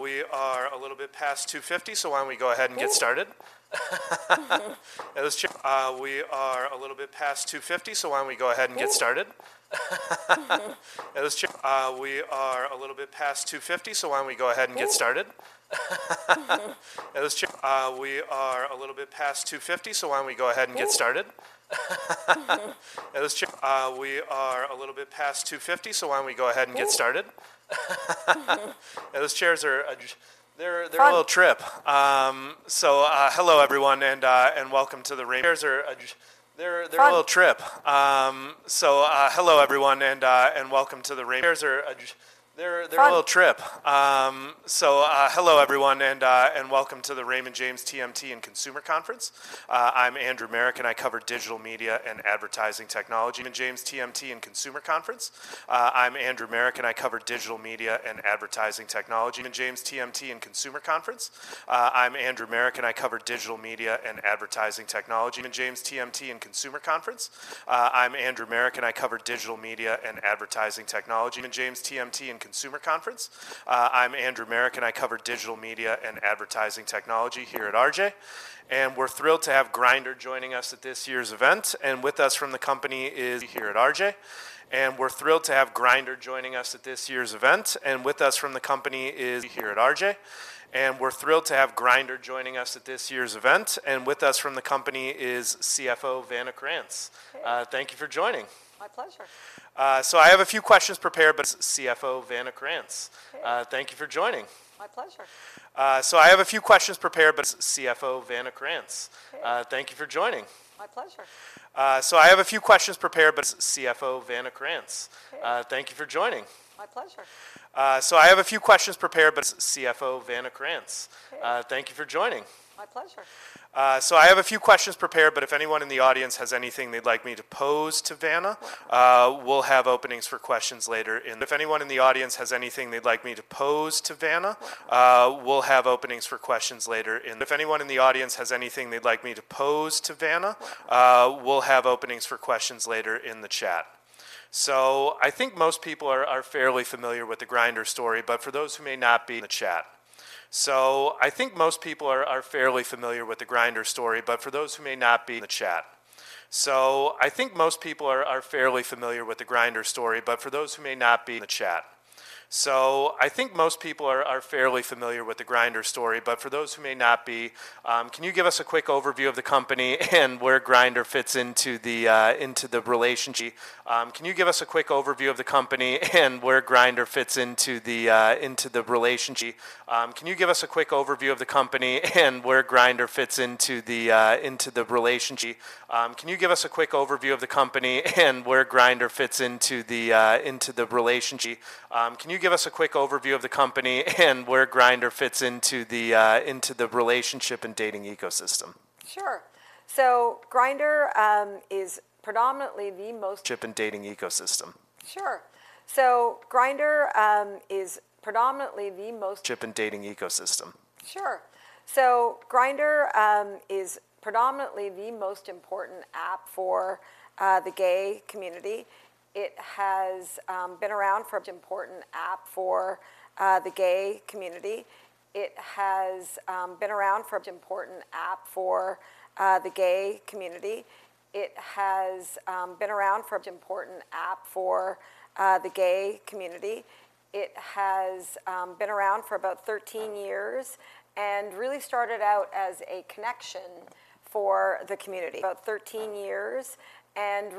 We are a little bit past 2:50, so why don't we go ahead and get started? Let's check. And those chairs are, they're a little trip. Hello everyone, and welcome to the Raymond James TMT and Consumer Conference. I'm Andrew Marok, and I cover digital media and advertising technology at Raymond James TMT and Consumer Conference here at RJ, and we're thrilled to have Grindr joining us at this year's event. And with us from the company is CFO Vanna Krantz. Hey.. Thank you for joining. My pleasure. So I have a few questions prepared, but if anyone in the audience has anything they'd like me to pose to Vanna, we'll have openings for questions later in the chat. So I think most people are fairly familiar with the Grindr story, but for those who may not be in the chat. So I think most people are fairly familiar with the Grindr story, but for those who may not be, can you give us a quick overview of the company and where Grindr fits into the relationship and dating ecosystem? Sure. So Grindr is predominantly the most important app for the gay community. It has been around for about 13 years and really started out as a connection for the community. So it's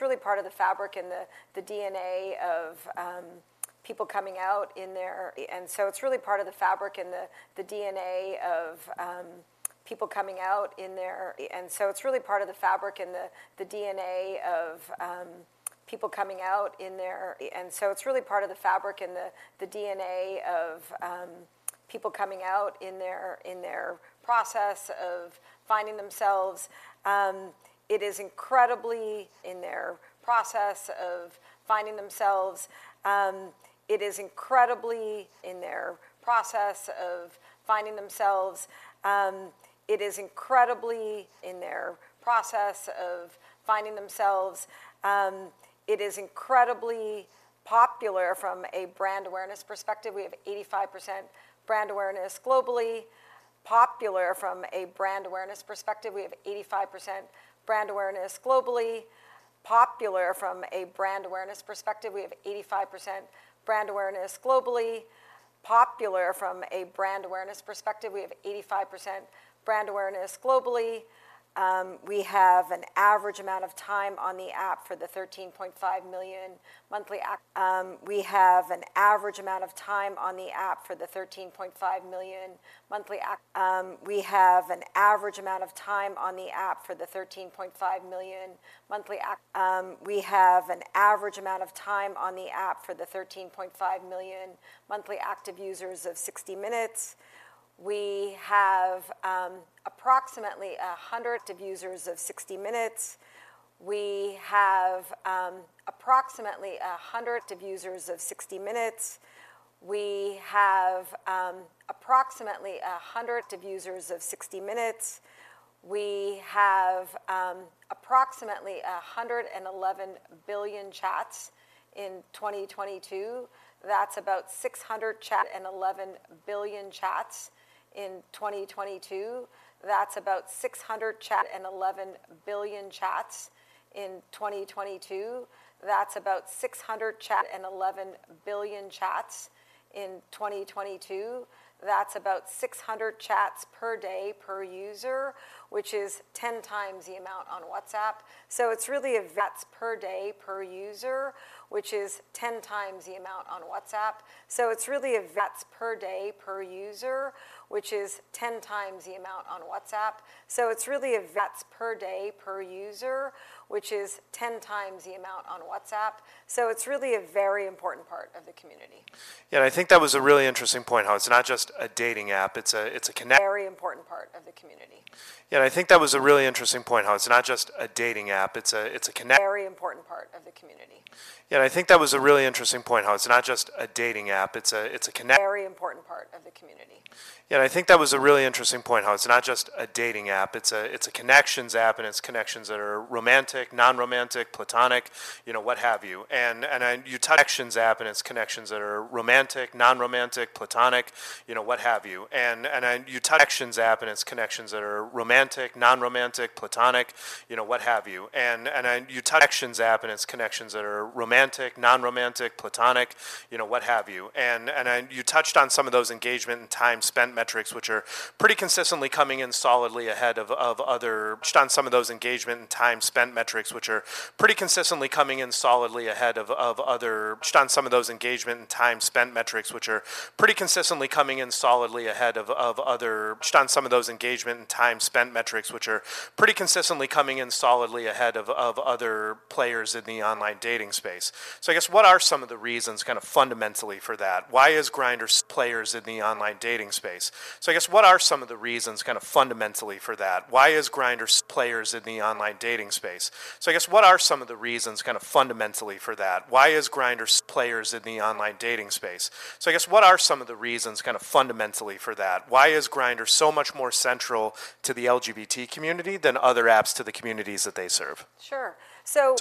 really part of the fabric and the DNA of people coming out in their process of finding themselves. It is incredibly popular from a brand awareness perspective. We have 85% brand awareness globally. Popular from a brand awareness perspective, we have 85% brand awareness globally. We have an average amount of time on the app for the 13.5 million monthly active users of 60 minutes. We have approximately 100 of users of 60 minutes. We have approximately 111 billion chats in 2022. That's about 611 billion chats in 2022. That's about 600 chats per day per user, which is 10 times the amount on WhatsApp. So it's really a very important part of the community. Yeah, I think that was a really interesting point, how it's not just a dating app, it's a connections app, and it's connections that are romantic, non-romantic, platonic, you know, what have you. And you touched on some of those engagement and time spent metrics, which are pretty consistently coming in solidly ahead of other... Touched on some of those engagement and time spent metrics, which are pretty consistently coming in solidly ahead of other players in the online dating space. So I guess, what are some of the reasons, kind of fundamentally for that? Why is Grindr's players in the online dating space? I guess, what are some of the reasons, kind of fundamentally for that? Why is Grindr so much more central to the LGBT community than other apps to the communities that they serve? Sure. So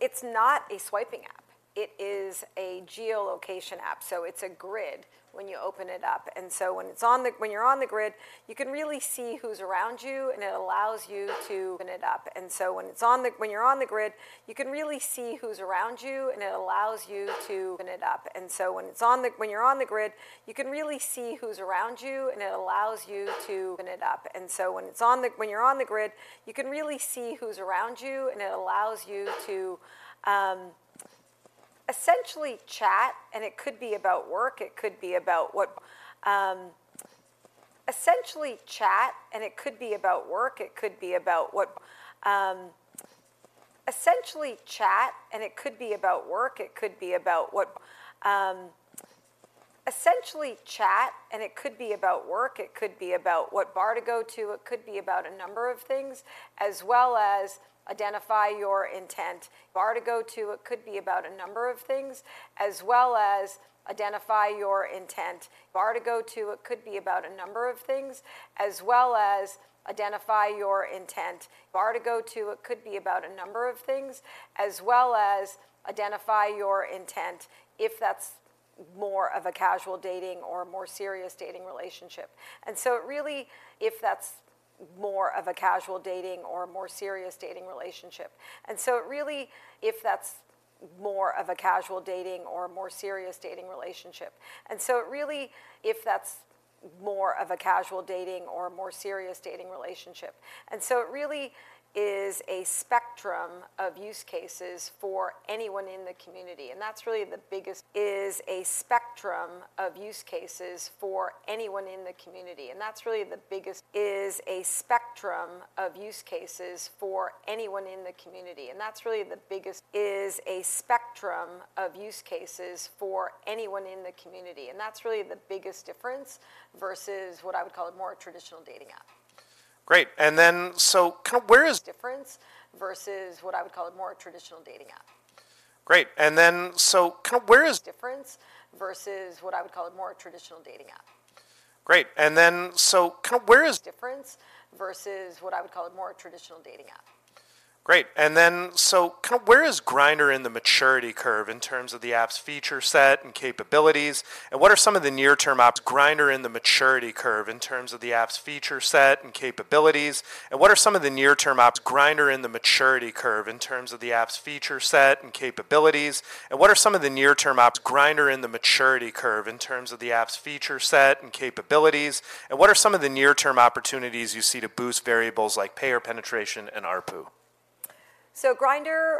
it's not a swiping app, it is a geolocation app, so it's a grid. When you open it up. And so when you're on the grid, you can really see who's around you, and it allows you to essentially chat, and it could be about work, it could be about what... Essentially chat, and it could be about work, it could be about what bar to go to, it could be about a number of things, as well as identify your intent, if that's more of a casual dating or more serious dating relationship. And so it really- It really is a spectrum of use cases for anyone in the community, and that's really the biggest difference versus what I would call a more traditional dating app. ... Great! And then, so kind of where is Grindr in the maturity curve in terms of the app's feature set and capabilities? And what are some of the near-term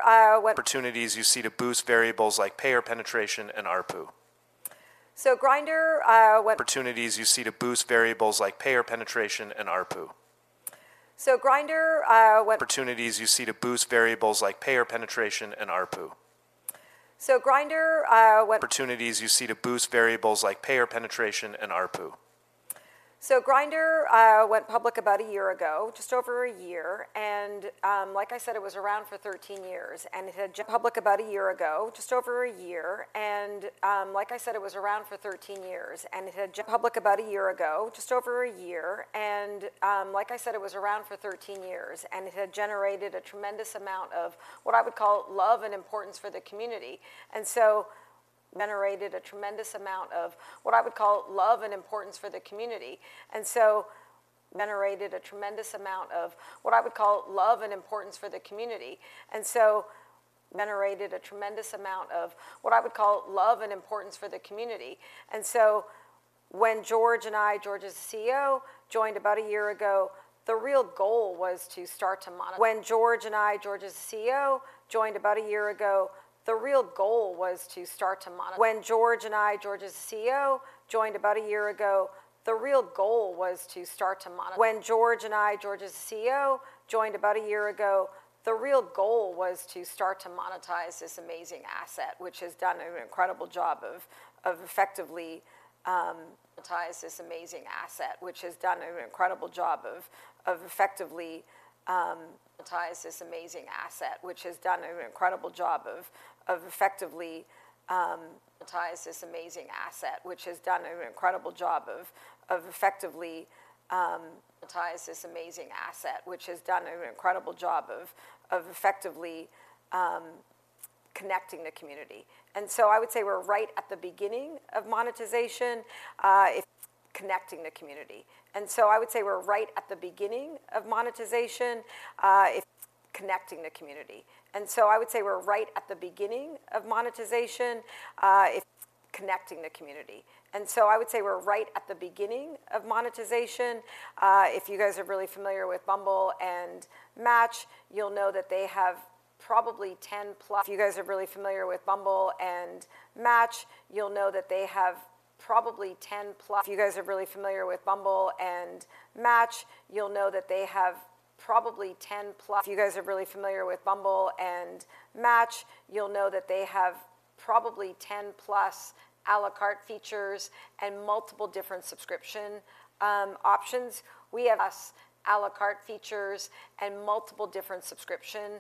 opportunities you see to Boost variables like payer penetration and ARPU? So Grindr, Opportunities you see to Boost variables like payer penetration and ARPU. So Grindr went public about a year ago, just over a year. Like I said, it was around for 13 years, and it had generated a tremendous amount of what I would call love and importance for the community. And so generated a tremendous amount of what I would call love and importance for the community. And so when George and I, George is CEO, joined about a year ago, the real goal was to start to monetize this amazing asset, which has done an incredible job of effectively connecting the community. And so I would say we're right at the beginning of monetization. It's connecting the community. If you guys are really familiar with Bumble and Match, you'll know that they have probably 10+ à la carte features and multiple different subscription options. We have à la carte features and multiple different subscription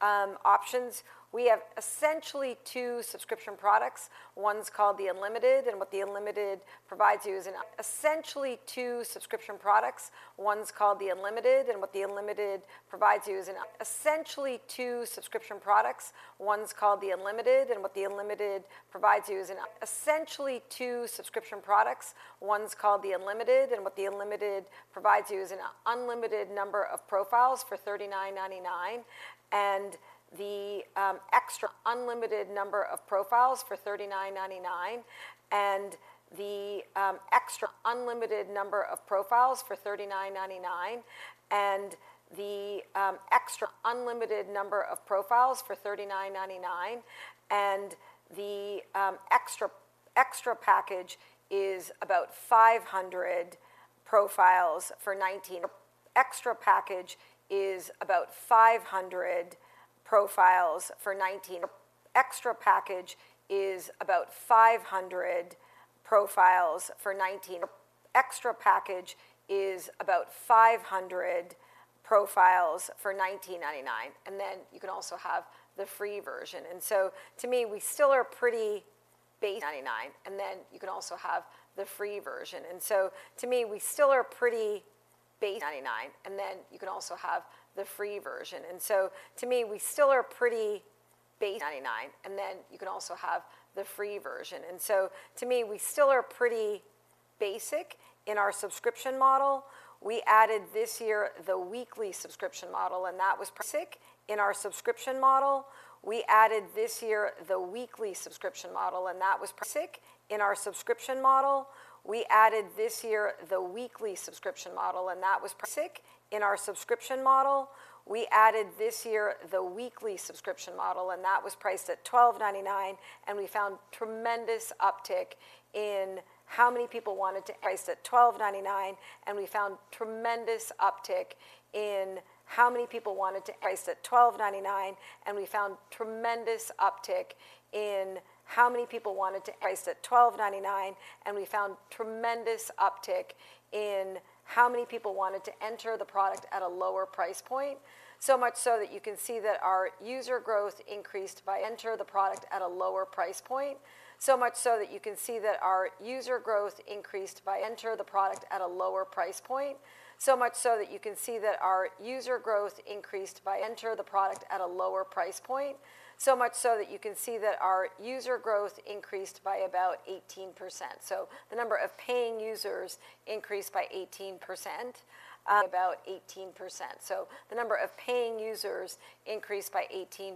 options. We have essentially two subscription products. One's called the Unlimited, and what the Unlimited provides you is an unlimited number of profiles for $39.99, and the XTRA unlimited number of profiles for $39.99. And the XTRA package is about 500 profiles for And then you can also have the free version. And so to me, we still are pretty basic in our subscription model. We added this year the weekly subscription model, and that was basic in our subscription model. We added this year the weekly subscription model, and that was priced at $12.99, and we found tremendous uptick in how many people wanted to enter the product at a lower price point. So much so that you can see that our user growth increased by enter the product at a lower price point. So much so that you can see that our user growth increased by entering the product at a lower price point. So much so that you can see that our user growth increased by about 18%. So the number of paying users increased by 18%, about 18%. So the number of paying users increased by 18%.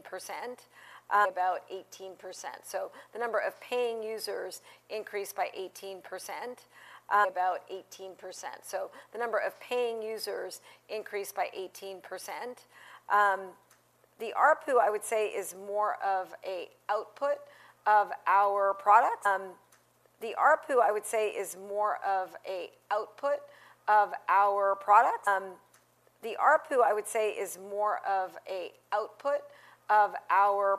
The ARPU, I would say, is more of a output of our product. The ARPU, I would say, is more of an output of our product. The ARPU, I would say, is more of an output of our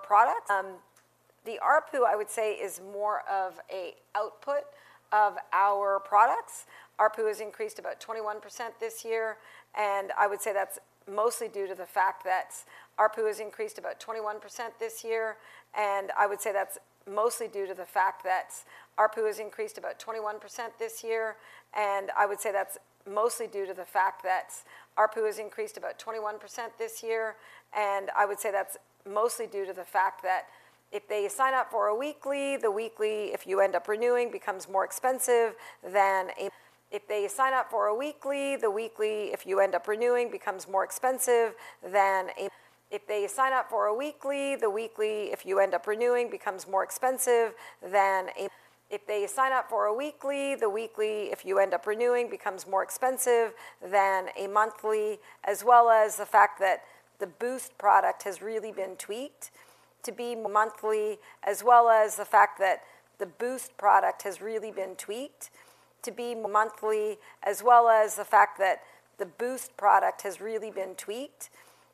products. ARPU has increased about 21% this year, and I would say that's mostly due to the fact that ARPU has increased about 21% this year, and I would say that's mostly due to the fact that ARPU has increased about 21% this year, and I would say that's mostly due to the fact that ARPU has increased about 21% this year, and I would say that's mostly due to the fact that if they sign up for a weekly, the weekly, if you end up renewing, becomes more expensive than a... If they sign up for a weekly, the weekly, if you end up renewing, becomes more expensive than a... If they sign up for a weekly, the weekly, if you end up renewing, becomes more expensive than a... If they sign up for a weekly, the weekly, if you end up renewing, becomes more expensive than a monthly, as well as the fact that the Boost product has really been tweaked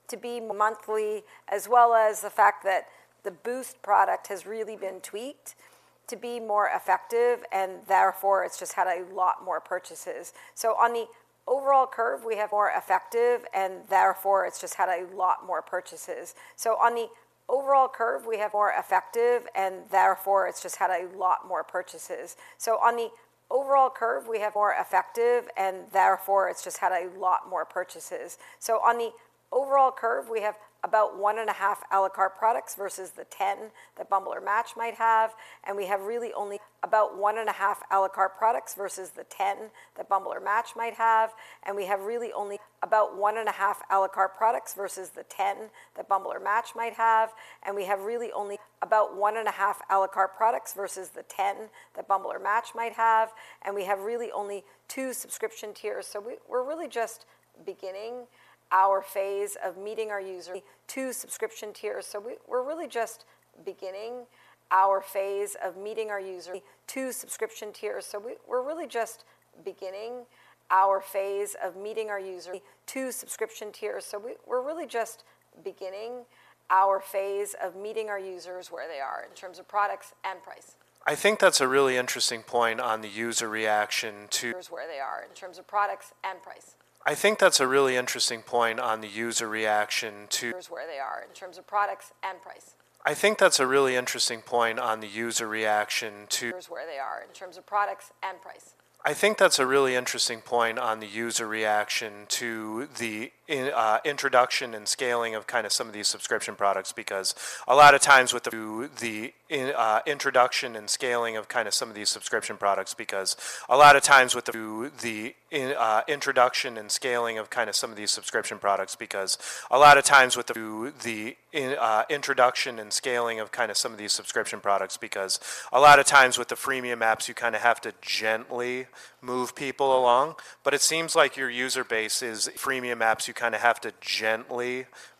to be monthly, as well as the fact that the Boost product has really been tweaked to be monthly, as well as the fact that the Boost product has really been tweaked to be monthly, as well as the fact that the Boost product has really been tweaked to be more effective, and therefore it's just had a lot more purchases. So on the overall curve, we have more effective, and therefore it's just had a lot more purchases. So on the overall curve, we have more effective, and therefore it's just had a lot more purchases. So on the overall curve, we have more effective, and therefore it's just had a lot more purchases. So on the overall curve, we have about 1.5 à la carte products versus the 10 that Bumble or Match might have, and we have really only about 1.5 à la carte products versus the 10 that Bumble or Match might have, and we have really only two subscription tiers. So we're really just beginning our phase of two subscription tiers. So we're really just beginning our phase of meeting our users where they are in terms of products and price. I think that's a really interesting point on the user reaction to the introduction and scaling of kind of some of these subscription products, because a lot of times with the freemium apps, you kind of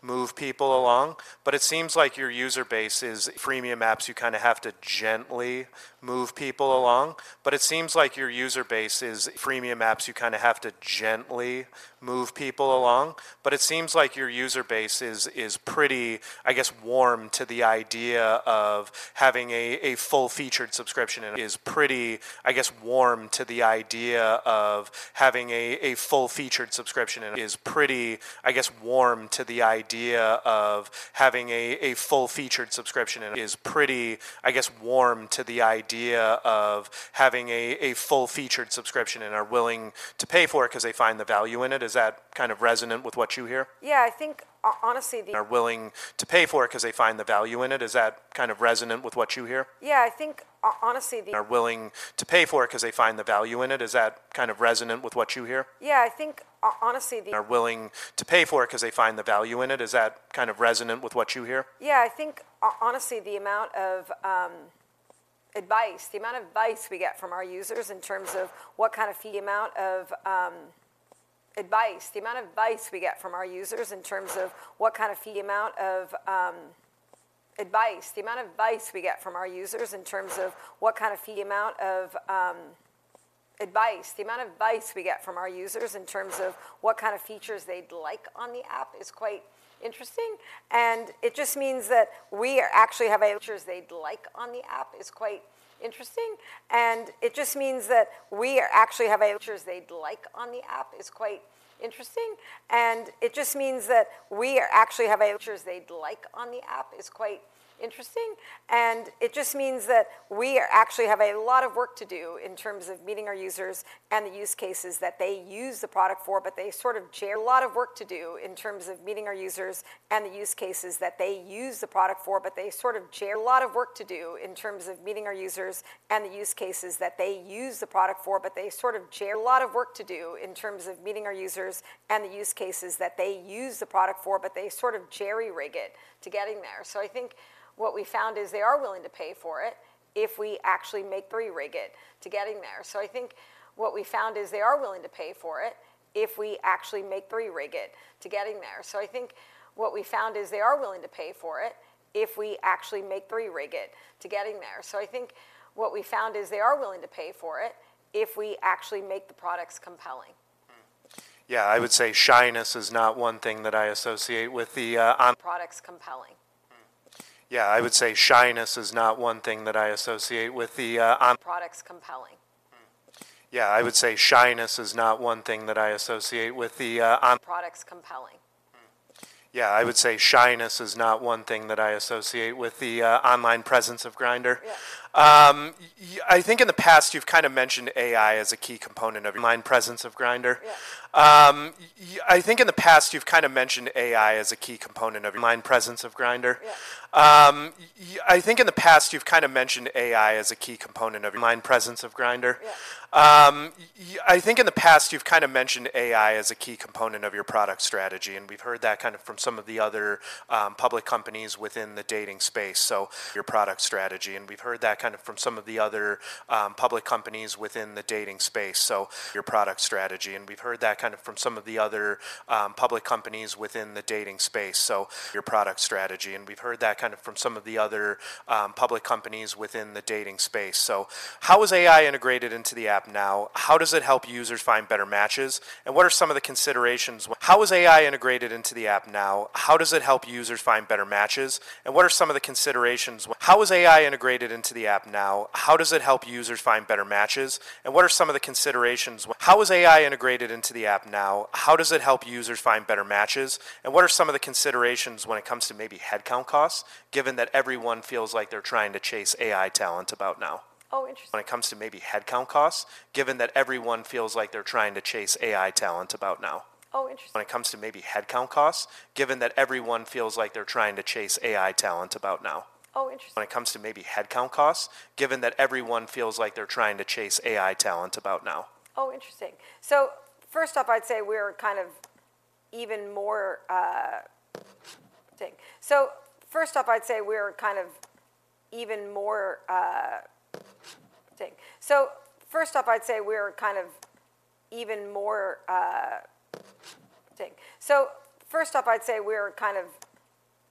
have to gently move people along. But it seems like your user base is freemium apps, you kind of have to gently move people along. But it seems like your user base is pretty, I guess, warm to the idea of having a full-featured subscription and are willing to pay for it because they find the value in it. Is that kind of resonant with what you hear? Yeah, I think honestly, the amount of advice we get from our users in terms of what kind of features they'd like on the app is quite interesting, and it just means that we actually have features they'd like on the app is quite interesting. And it just means that we actually have features they'd like on the app, which is quite interesting, and it just means that we actually have a lot of work to do in terms of meeting our users and the use cases that they use the product for, but they sort of jury-rig it to getting there. So I think what we found is they are willing to pay for it if we actually make it. So, I think what we found is they are willing to pay for it if we actually make jury-rig it to getting there. So, I think what we found is they are willing to pay for it if we actually make jury-rig it to getting there. So, I think what we found is they are willing to pay for it if we actually make the products compelling. Mm-hmm. Yeah, I would say shyness is not one thing that I associate with the online presence of Grindr. Yeah. I think in the past, you've kind of mentioned AI as a key component of online presence of Grindr. Yeah. I think in the past, you've kind of mentioned AI as a key component of your product strategy, and we've heard that kind of from some of the other public companies within the dating space. So your product strategy, and we've heard that kind of from some of the other public companies within the dating space. So your product strategy, and we've heard that kind of from some of the other public companies within the dating space. So your product strategy, and we've heard that kind of from some of the other public companies within the dating space. So how is AI integrated into the app now? How does it help users find better matches, and what are some of the considerations? How is AI integrated into the app now? How does it help users find better matches, and what are some of the considerations? How is AI integrated into the app now? How does it help users find better matches, and what are some of the considerations? How is AI integrated into the app now? How does it help users find better matches, and what are some of the considerations when it comes to maybe headcount costs, given that everyone feels like they're trying to chase AI talent about now? Oh, interesting. So first off, I'd say we're kind of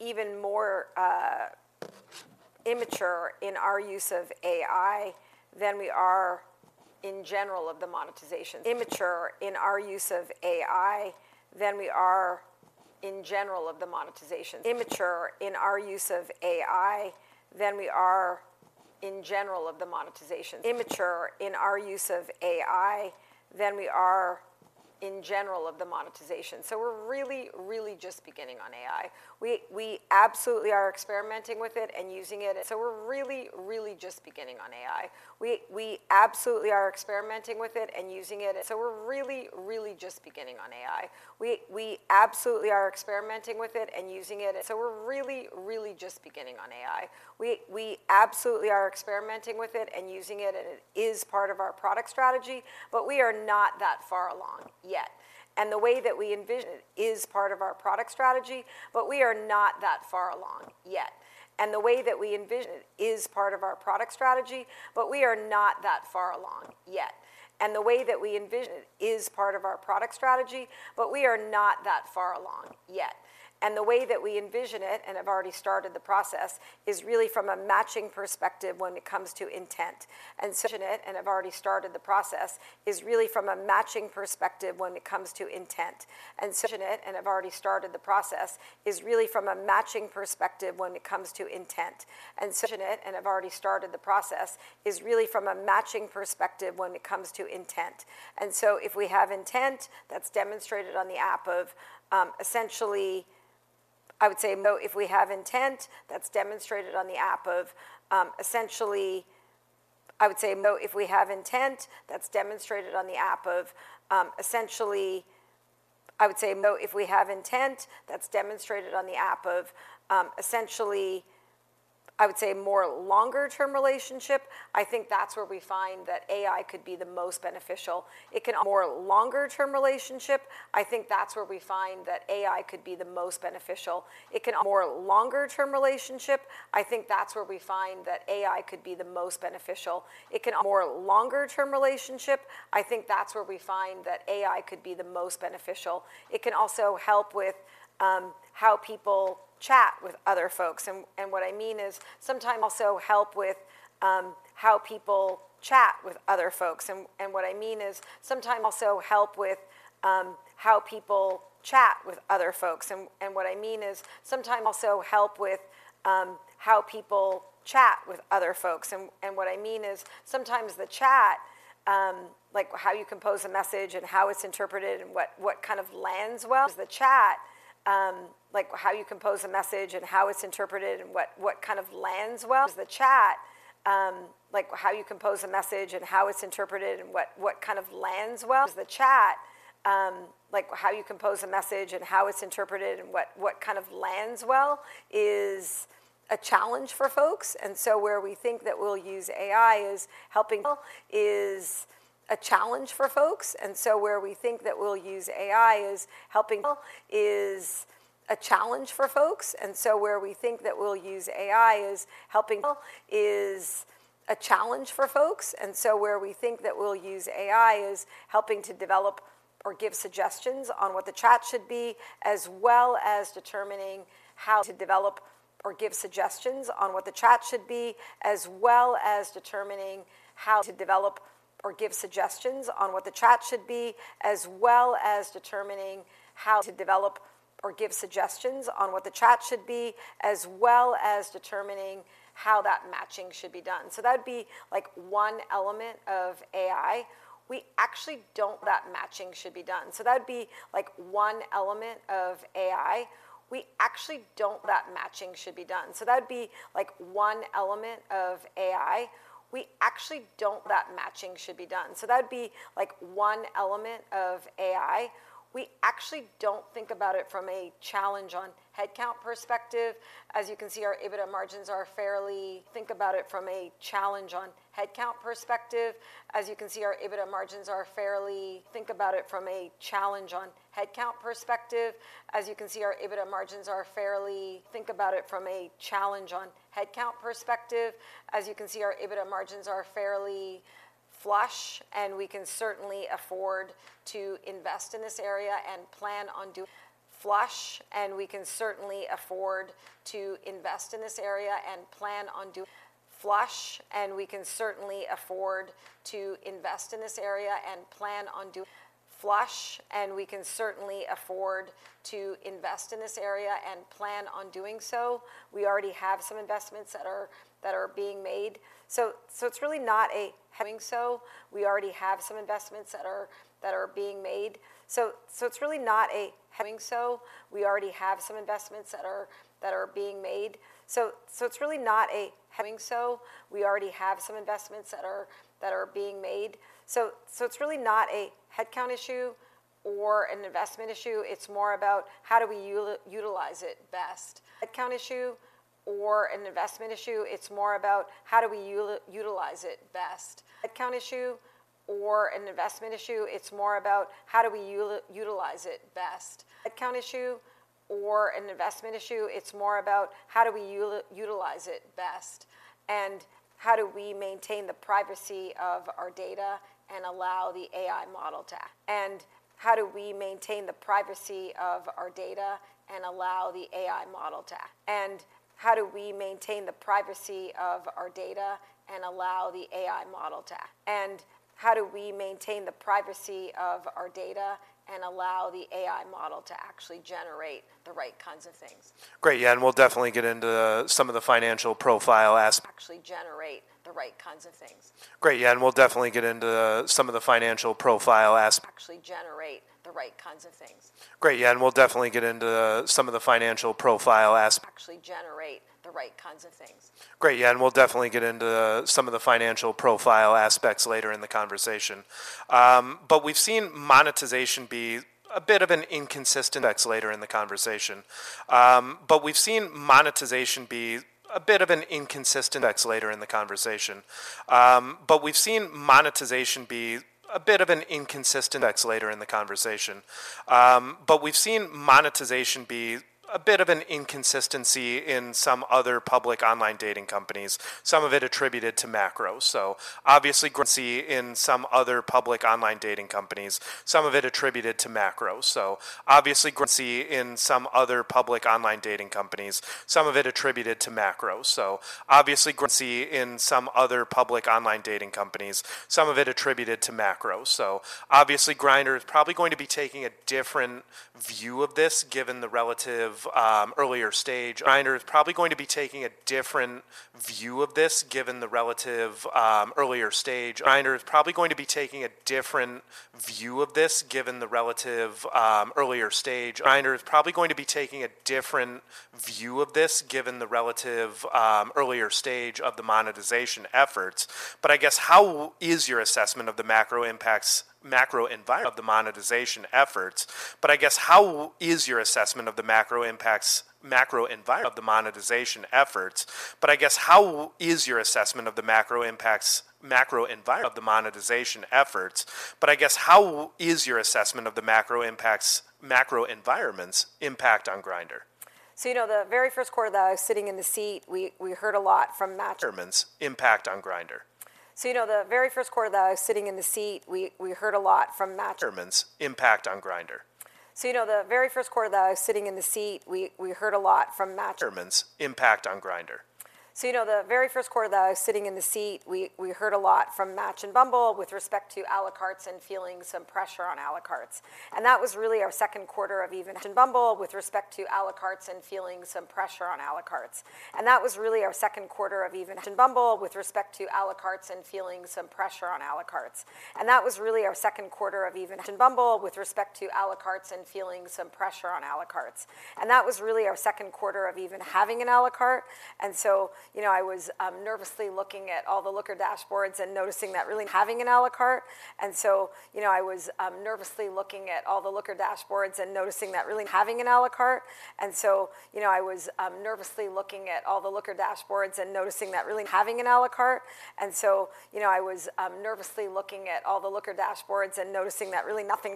even more immature in our use of AI than we are in general of the monetization. So we're really, really just beginning on AI. We, we absolutely are experimenting with it and using it. And so we're really, really just beginning on AI. We, we absolutely are experimenting with it and using it, and it is part of our product strategy, but we are not that far along yet. And the way that we envision it, and have already started the process, is really from a matching perspective when it comes to intent. And so... envision it, and have already started the process, is really from a matching perspective when it comes to intent. And so if we have intent that's demonstrated on the app of essentially I would say more longer-term relationship, I think that's where we find that AI could be the most beneficial. It can more longer-term relationship, I think that's where we find that AI could be the most beneficial. It can also help with how people chat with other folks. And what I mean is, sometimes the chat, like how you compose a message and how it's interpreted and what kind of lands well. The chat, like how you compose a message and how it's interpreted and what kind of lands well is a challenge for folks. And so where we think that we'll use AI is helping... It's a challenge for folks, and so where we think that we'll use AI is helping to develop or give suggestions on what the chat should be, as well as determining how that matching should be done. So that'd be like one element of AI. We actually don't- We actually don't think about it from a challenge on headcount perspective. As you can see, our EBITDA margins are fairly flush, and we can certainly afford to invest in this area and plan on doing so. We already have some investments that are being made. So, it's really not a headcount issue or an investment issue. It's more about how do we utilize it best. Headcount issue or an investment issue, it's more about how do we utilize it best, and how do we maintain the privacy of our data and allow the AI model to actually generate the right kinds of things? Great. Yeah, and we'll definitely get into some of the financial profile aspects later in the conversation. But we've seen monetization be a bit of an inconsistency in some other public online dating companies, some of it attributed to macro. So obviously, Grindr is probably going to be taking a different view of this, given the relative earlier stage of the monetization efforts. But I guess, how is your assessment of the macro impacts, macro environment's impact on Grindr?... So, you know, the very first quarter that I was sitting in the seat, we heard a lot from Match and Bumble with respect to à la carte and feeling some pressure on à la carte. And that was really our second quarter of even and Bumble with respect to à la carte and feeling some pressure on à la carte. That was really our second quarter even with Bumble with respect to à la carte and feeling some pressure on à la carte. That was really our second quarter of even having an à la carte. So, you know, I was nervously looking at all the Looker dashboards and noticing that really having an à la carte. And so, you know, I was nervously looking at all the Looker dashboards and noticing that really nothing's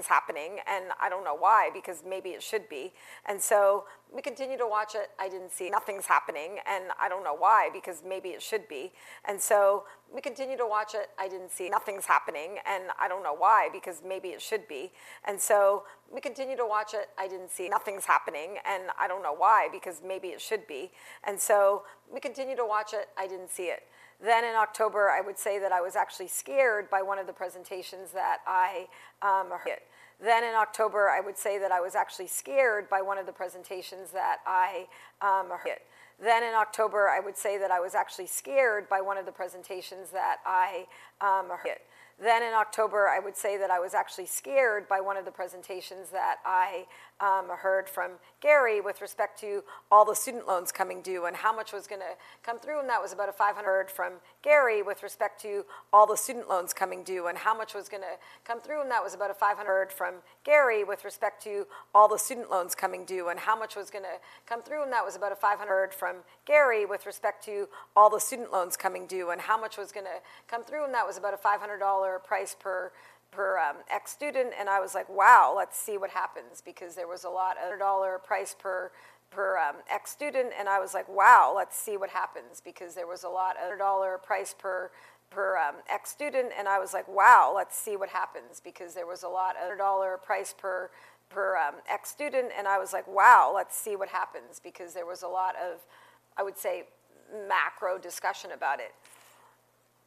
happening, and I don't know why, because maybe it should be. And so we continued to watch it. I didn't see nothing's happening, and I don't know why, because maybe it should be. And so we continued to watch it. I didn't see nothing's happening, and I don't know why, because maybe it should be. And so we continued to watch it. I didn't see nothing's happening, and I don't know why, because maybe it should be. And so we continued to watch it. I didn't see it. Then in October, I would say that I was actually scared by one of the presentations that I heard from Gary with respect to all the student loans coming due and how much was gonna come through, and that was about a $500 price per ex-student. And I was like: Wow, let's see what happens, because there was a lot of dollar price per ex-student. And I was like: Wow, let's see what happens, because there was a lot of, I would say, macro discussion about it.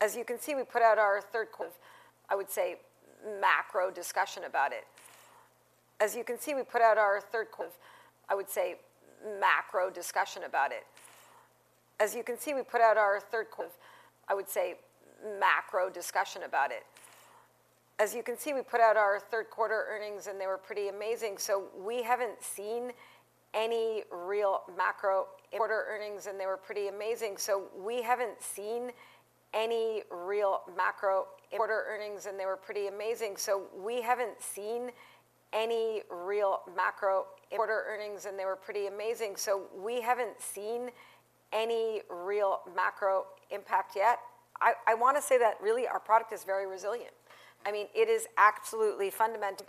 As you can see, we put out our third quarter. As you can see, we put out our third quarter earnings, and they were pretty amazing. So we haven't seen any real macro impact yet. I wanna say that really, our product is very resilient. I mean, it is absolutely fundamental-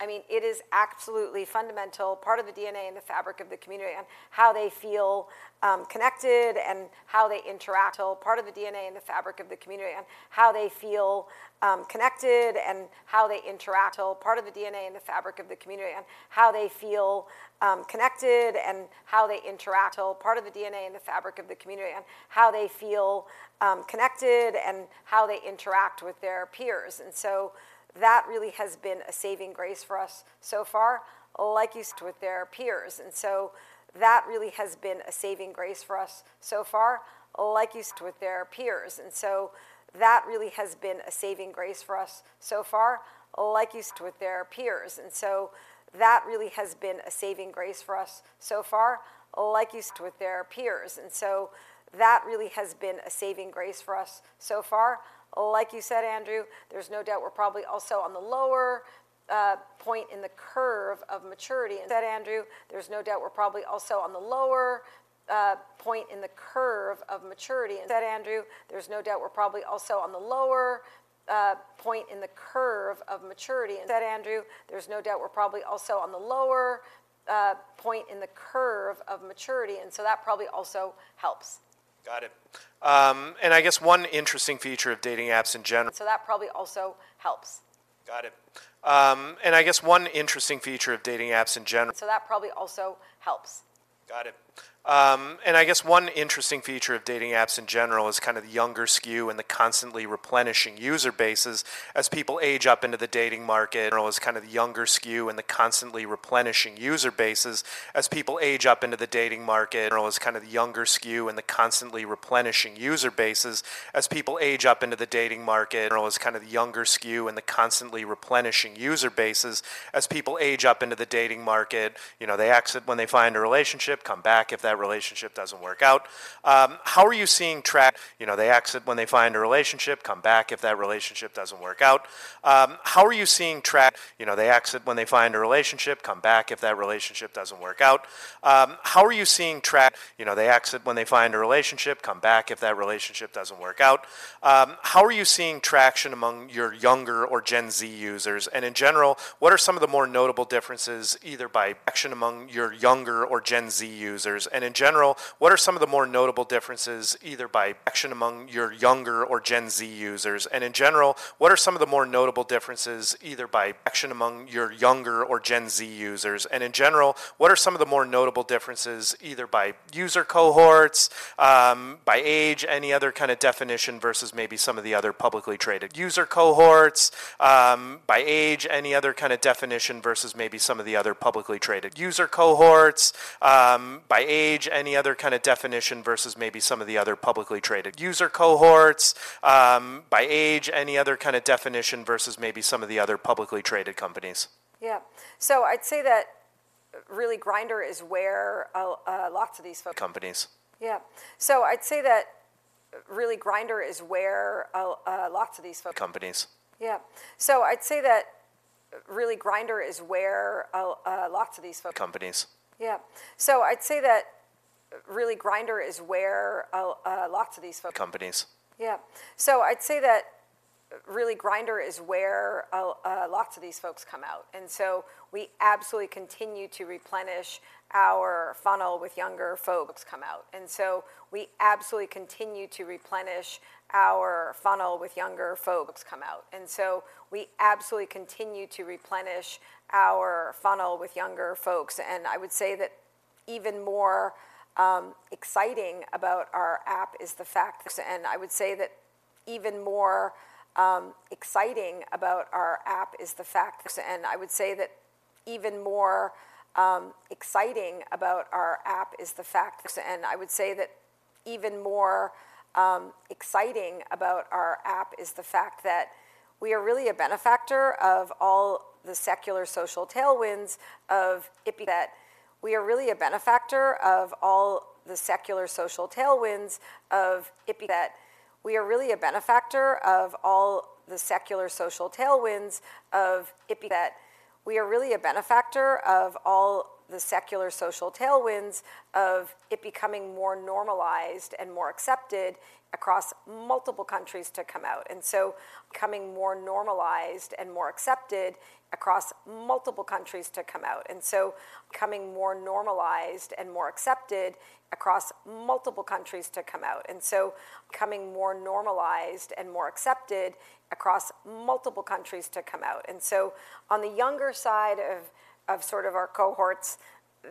I mean, it is absolutely fundamental part of the DNA and the fabric of the community and how they feel connected and how they interact with their peers. And so that really has been a saving grace for us so far. Like you said with their peers, and so that really has been a saving grace for us so far. Like you said, Andrew, there's no doubt we're probably also on the lower point in the curve of maturity, and so that probably also helps. Got it. And I guess one interesting feature of dating apps in general is kind of the younger skew and the constantly replenishing user bases as people age up into the dating market, you know, they exit when they find a relationship, come back if that relationship doesn't work out. How are you seeing traction, you know, they exit when they find a relationship, come back if that relationship doesn't work out. How are you seeing traction among your younger or Gen Z users? And in general, what are some of the more notable differences, either by traction among your younger or Gen Z users? And in general, what are some of the more notable differences, either by traction among your younger or Gen Z users? In general, what are some of the more notable differences, either by user cohorts, by age, any other kind of definition, versus maybe some of the other publicly traded companies? Yeah. So I'd say that really, Grindr is where a lot of these folks come out. And so we absolutely continue to replenish our funnel with younger folks come out. I would say that even more exciting about our app is the fact that we are really a benefactor of all the secular social tailwinds of it becoming more normalized and more accepted across multiple countries to come out. And so becoming more normalized and more accepted across multiple countries to come out. And so becoming more normalized and more accepted across multiple countries to come out. And so on the younger side of our cohorts,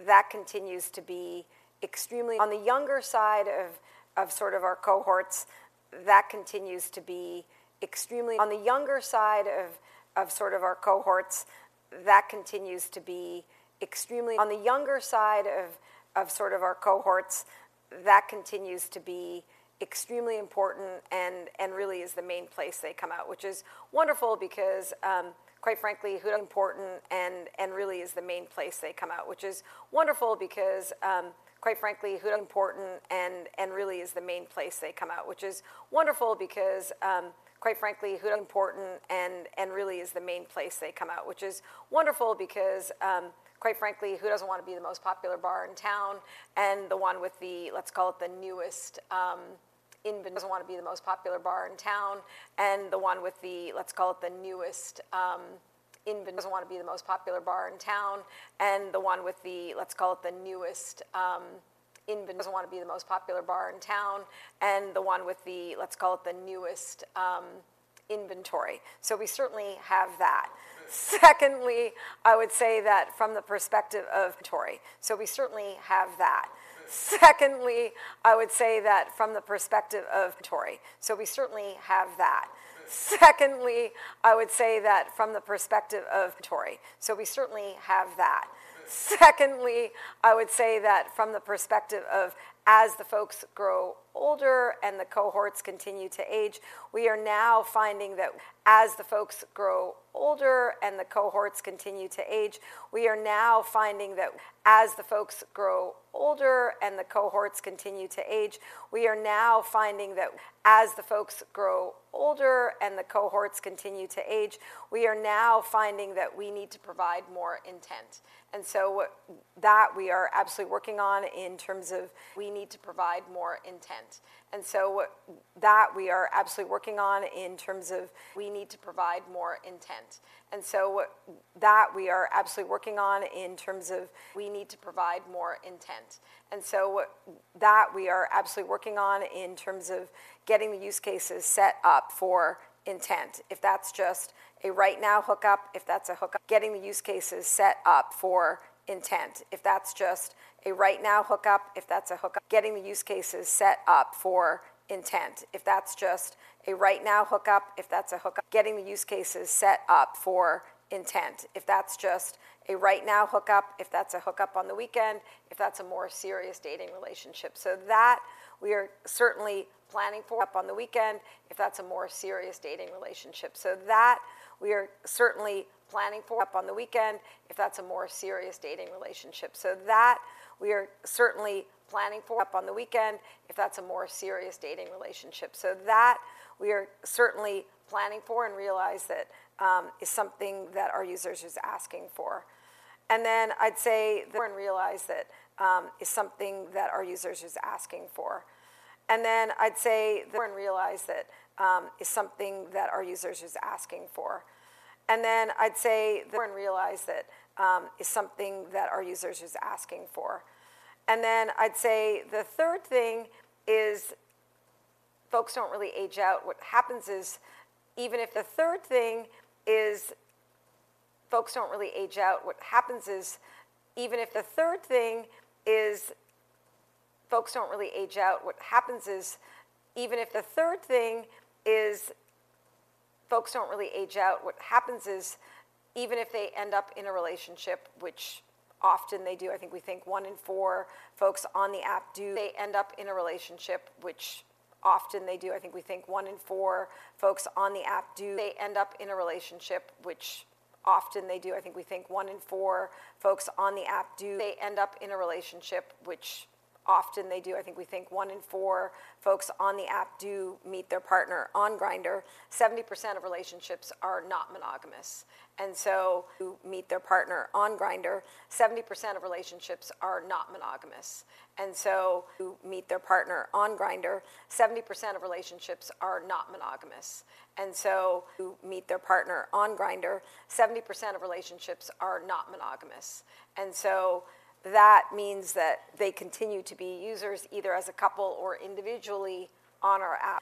that continues to be extremely important and really is the main place they come out, which is wonderful because, quite frankly, who doesn't want to be the most popular bar in town? And the one with the, let's call it the newest inventory doesn't want to be the most popular bar in town. So we certainly have that. Secondly, I would say that from the perspective of inventory. As the folks grow older and the cohorts continue to age, we are now finding that we need to provide more intent. And so what that we are absolutely working on in terms of we need to provide more intent. And so what that we are absolutely working on in terms of getting the use cases set up for intent, if that's just a right now hookup, if that's a hookup on the weekend, if that's a more serious dating relationship. So that we are certainly planning for. So that we are certainly planning for hookups on the weekend, if that's a more serious dating relationship. So that we are certainly planning for and realize that is something that our users is asking for. And then I'd say the third thing is folks don't really age out. What happens is, even if the third thing is folks don't really age out, what happens is even if they end up in a relationship, which often they do. I think we think one in four folks on the app do meet their partner on Grindr. 70% of relationships are not monogamous, and so who meet their partner on Grindr. And so that means that they continue to be users, either as a couple or individually on our app.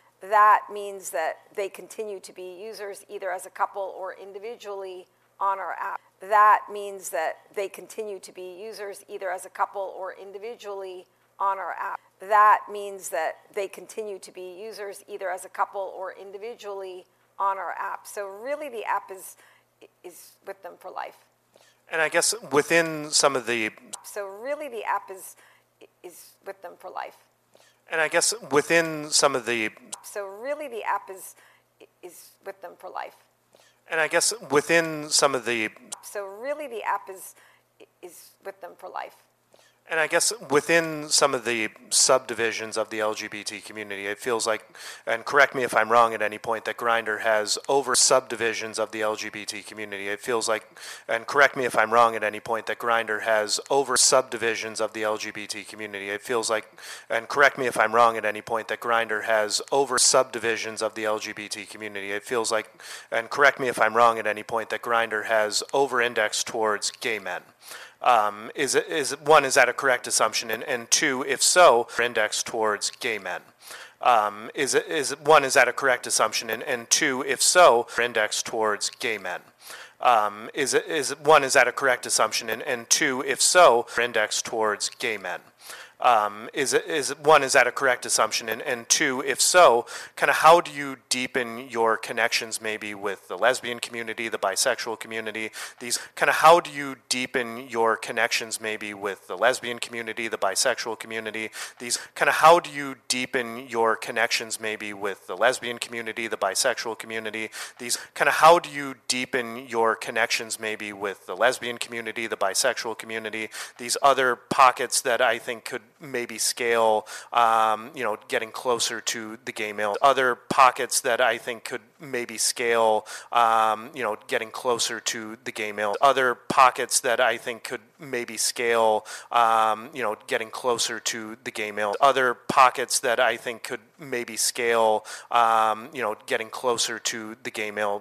So really, the app is with them for life. And I guess within some of the subdivisions of the LGBT community, it feels like, and correct me if I'm wrong at any point, that Grindr has over-indexed towards gay men. Is it, is it one, is that a correct assumption? And two, if so, index towards gay men. Two, if so, index towards gay men. Is it? One, is that a correct assumption? And two, if so, kind of how do you deepen your connections, maybe with the lesbian community, the bisexual community, these other pockets that I think could maybe scale, you know, getting closer to the gay male. Other pockets that I think could maybe scale, you know, getting closer to the gay male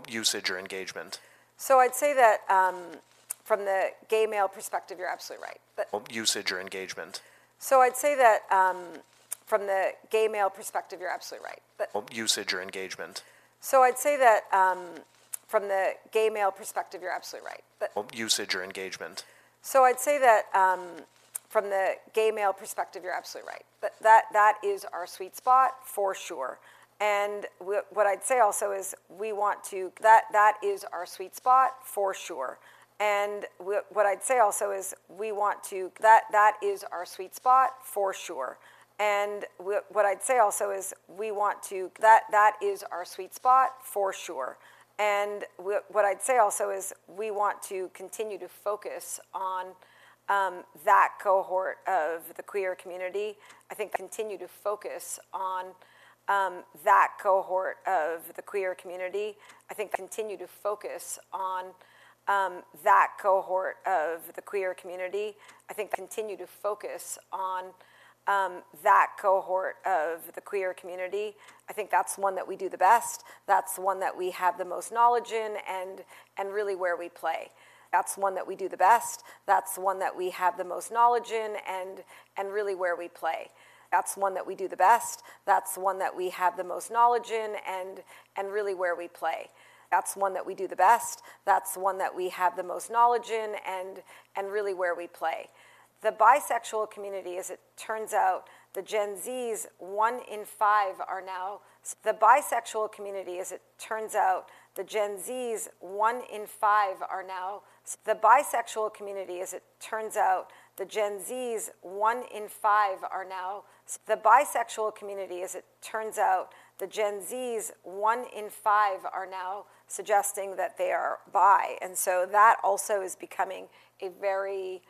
usage or engagement. So I'd say that, from the gay male perspective, you're absolutely right. But that is our sweet spot for sure. And what I'd say also is we want to continue to focus on that cohort of the queer community. I think that's one that we do the best, that's one that we have the most knowledge in, and really where we play. That's one that we do the best, that's one that we have the most knowledge in, and really where we play. The bisexual community, as it turns out, the Gen Zs, one in five are now suggesting that they are bi. And so that also is becoming a very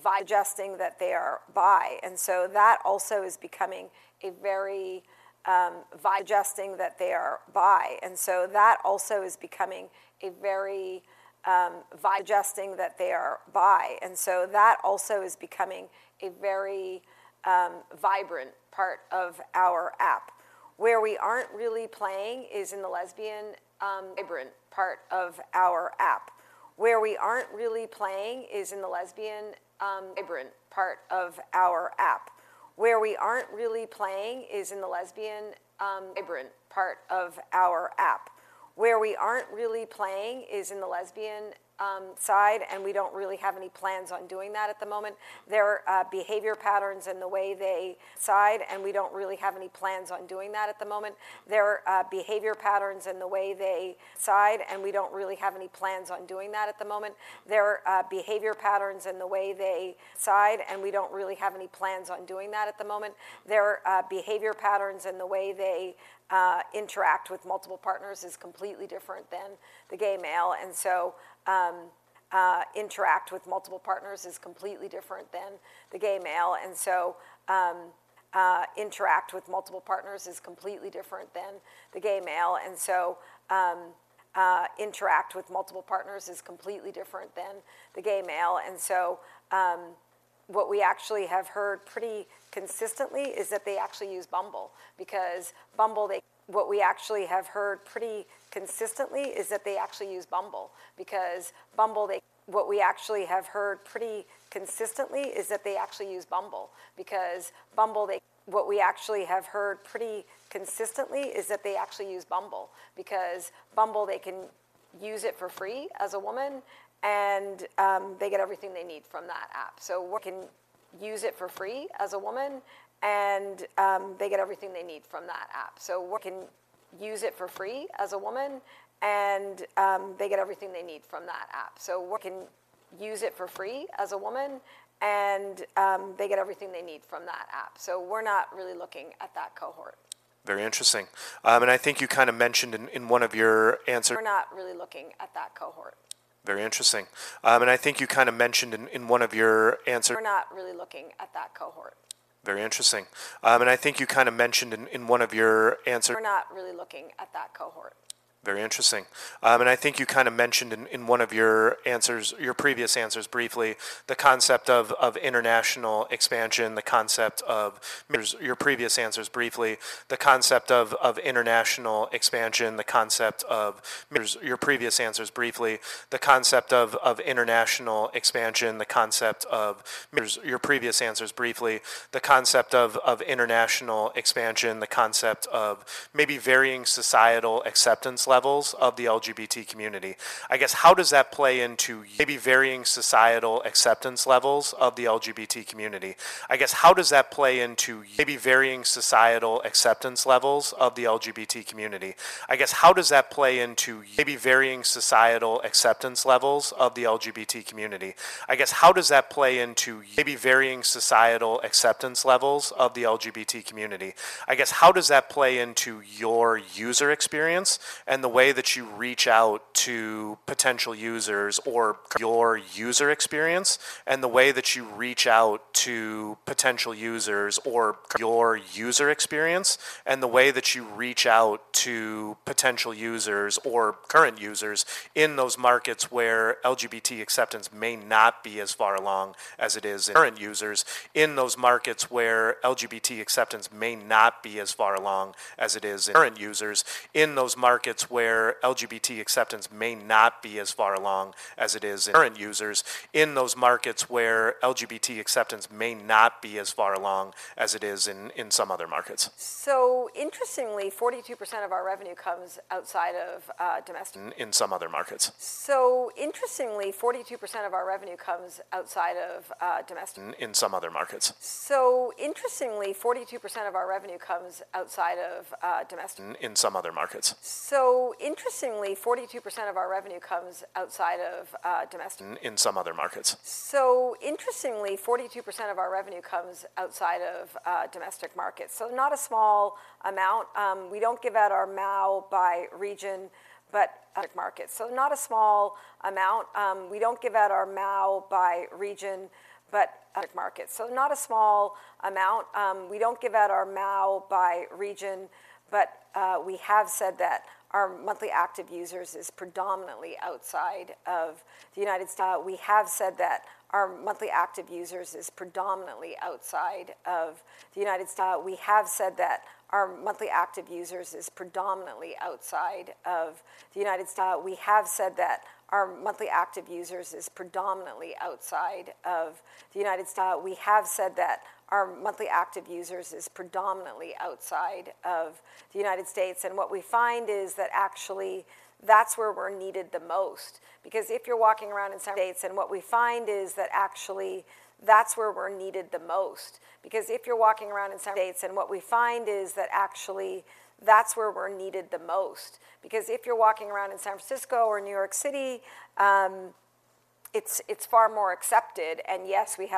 suggesting that they are bi. And so that also is becoming a very vibrant part of our app, suggesting that they are bi. Where we aren't really playing is in the lesbian side, and we don't really have any plans on doing that at the moment. Their behavior patterns and the way they swipe, and we don't really have any plans on doing that at the moment. Their behavior patterns and the way they side, and we don't really have any plans on doing that at the moment. Their behavior patterns and the way they interact with multiple partners is completely different than the gay male. And so, what we actually have heard pretty consistently is that they actually use Bumble because Bumble, they can use it for free as a woman, and they get everything they need from that app. So one can use it for free as a woman, and they get everything they need from that app. So we're not really looking at that cohort. Very interesting. And I think you kinda mentioned in one of your previous answers briefly the concept of international expansion, the concept of maybe varying societal acceptance levels of the LGBT community. I guess, how does that play into maybe varying societal acceptance levels of the LGBT community? I guess, how does that play into your user experience and the way that you reach out to potential users or current users in those markets where LGBT acceptance may not be as far along as it is in, in some other markets? So interestingly, 42% of our revenue comes outside of domestic markets. So not a small amount. We don't give out our MAU by region, but we have said that our monthly active users is predominantly outside of the United States. And what we find is that actually, that's where we're needed the most. Because if you're walking around in the States, and what we find is that actually, that's where we're needed the most. Because if you're walking around in San Francisco or New York City, it's far more accepted. And yes, we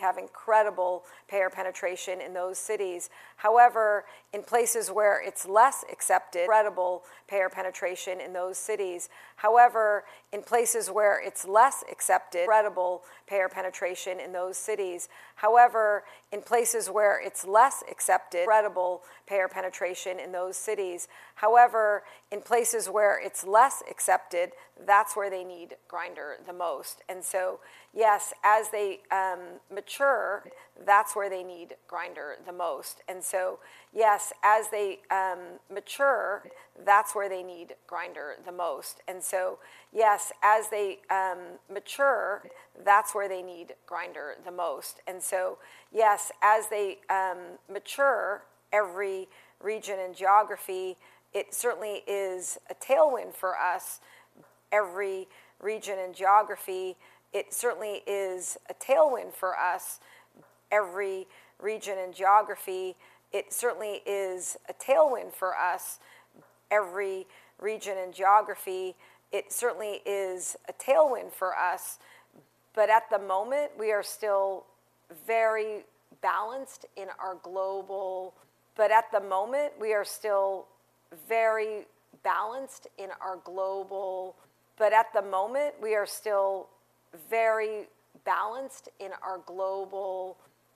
have incredible payer penetration in those cities. However, in places where it's less accepted, incredible payer penetration in those cities. However, in places where it's less accepted, that's where they need Grindr the most. And so, yes, as they mature, that's where they need Grindr the most. And so, yes, as they mature, every region and geography, it certainly is a tailwind for us.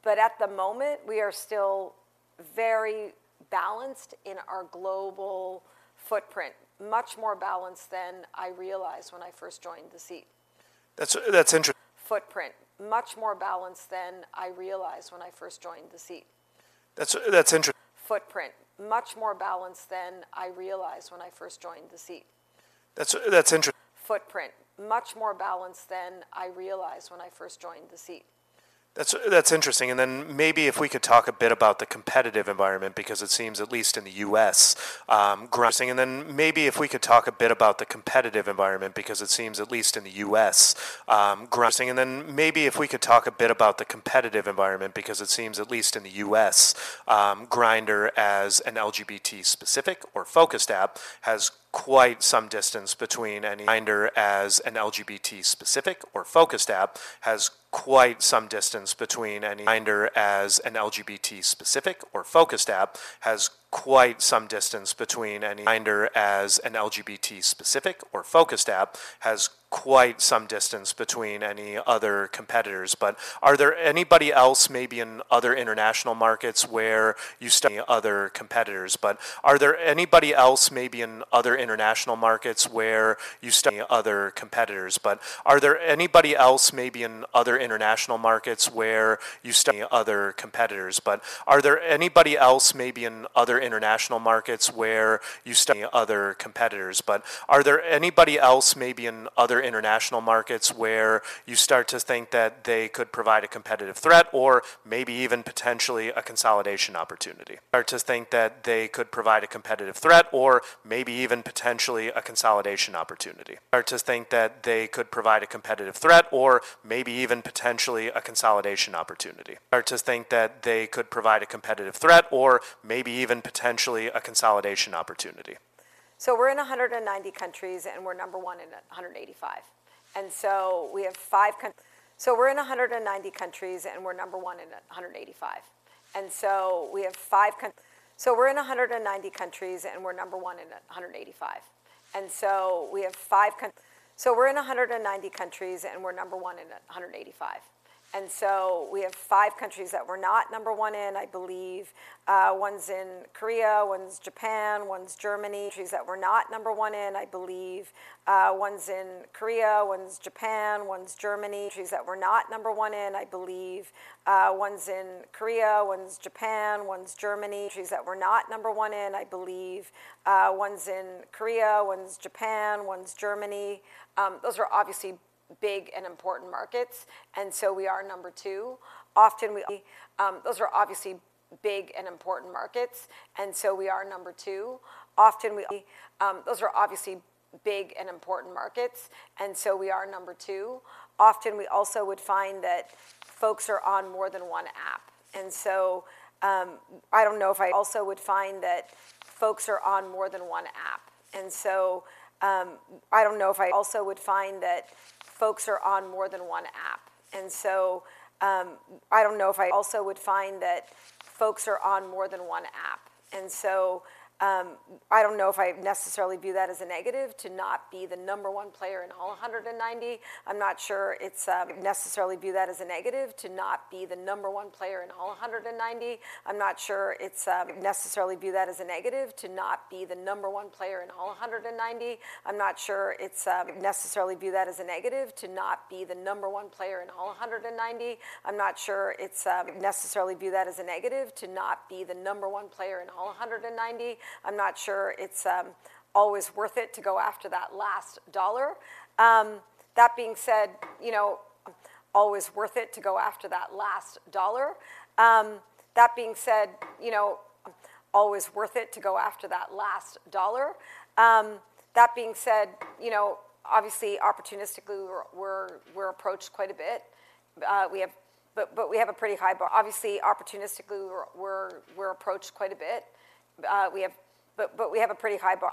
But at the moment, we are still very balanced in our global footprint. Much more balanced than I realized when I first joined the C-suite. That's interesting. Then maybe if we could talk a bit about the competitive environment, because it seems, at least in the U.S., growing. Grindr as an LGBT-specific or focused app, has quite some distance between any other competitors. But are there anybody else, maybe in other international markets, any other competitors? But are there anybody else, maybe in other international markets, where you start to think that they could provide a competitive threat or maybe even potentially a consolidation opportunity? So we're in 190 countries, and we're number one in 185. So we have five countries that we're not number one in. I believe one's in Korea, one's Japan, one's Germany. Countries that we're not number one in, I believe, one's in Korea, one's Japan, one's Germany. Those are obviously big and important markets, and so we are number two. Often we also would find that folks are on more than one app, and so, I don't know if I necessarily view that as a negative to not be the number one player in all 190. I'm not sure it's necessarily view that as a negative, to not be the number one player in all 190. I'm not sure it's always worth it to go after that last dollar. That being said, you know, always worth it to go after that last dollar. That being said, you know,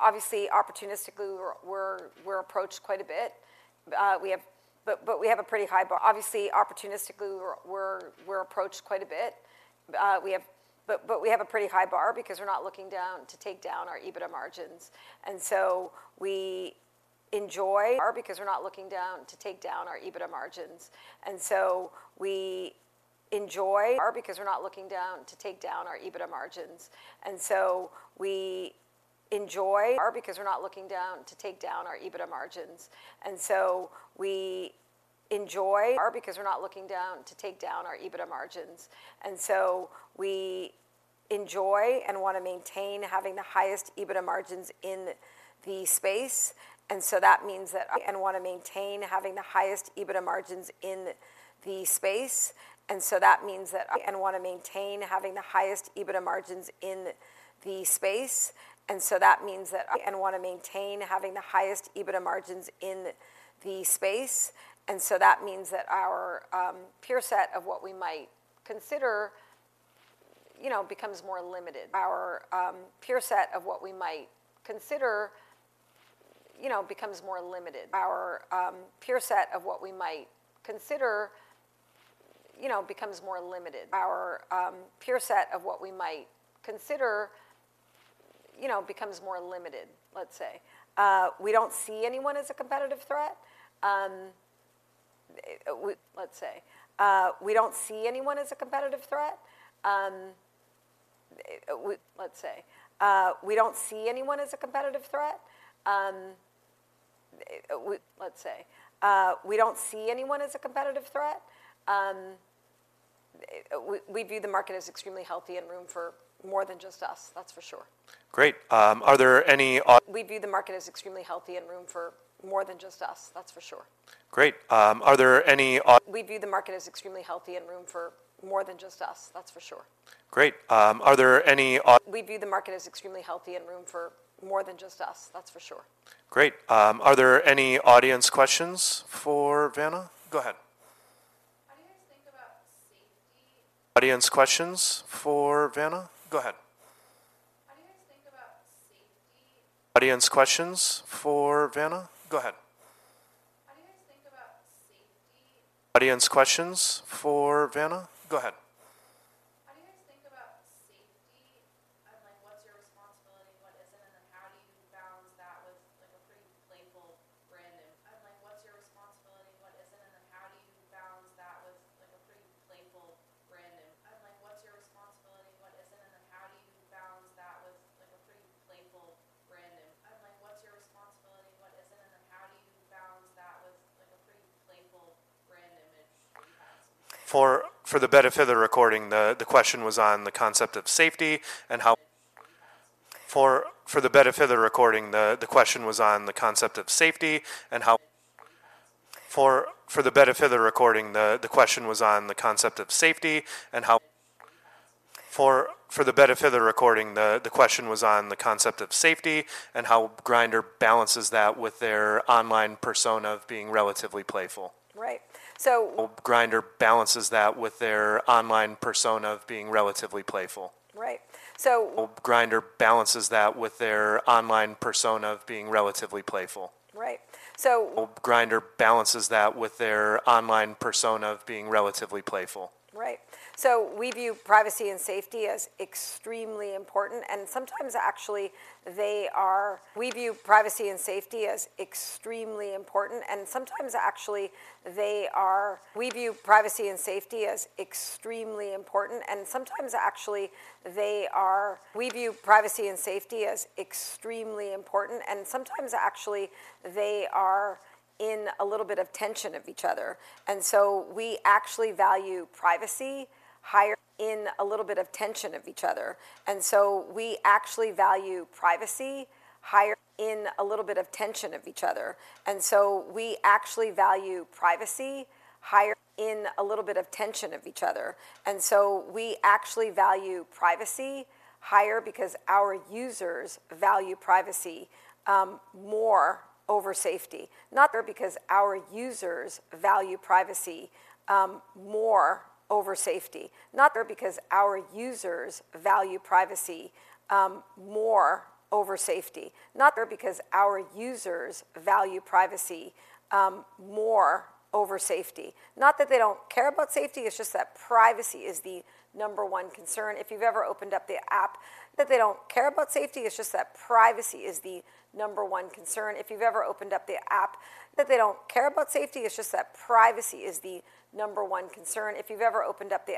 obviously, opportunistically, we're approached quite a bit, but we have a pretty high bar. We have a pretty high bar. Obviously, opportunistically, we're approached quite a bit. We have a pretty high bar because we're not looking down to take down our EBITDA margins. And so we enjoy and wanna maintain having the highest EBITDA margins in the space. And so that means that we want to maintain having the highest EBITDA margins in the space. And so that means that our peer set of what we might consider, you know, becomes more limited. Let's say, we don't see anyone as a competitive threat. Let's say, we don't see anyone as a competitive threat. We view the market as extremely healthy and room for more than just us, that's for sure. Great. Are there any audience questions for Vanna? Go ahead. How do you guys think about safety, and, like, what's your responsibility, what isn't, and then how do you balance that with, like, a pretty playful brand image that you have? For the benefit of the recording, the question was on the concept of safety and how Grindr balances that with their online persona of being relatively playful. Right. So we view privacy and safety as extremely important, and sometimes actually, they are in a little bit of tension of each other. And so we actually value privacy higher because our users value privacy more over safety. Not there because our users value privacy more over safety. Not that they don't care about safety, it's just that privacy is the number one concern. If you've ever opened up the app... If you've ever opened up the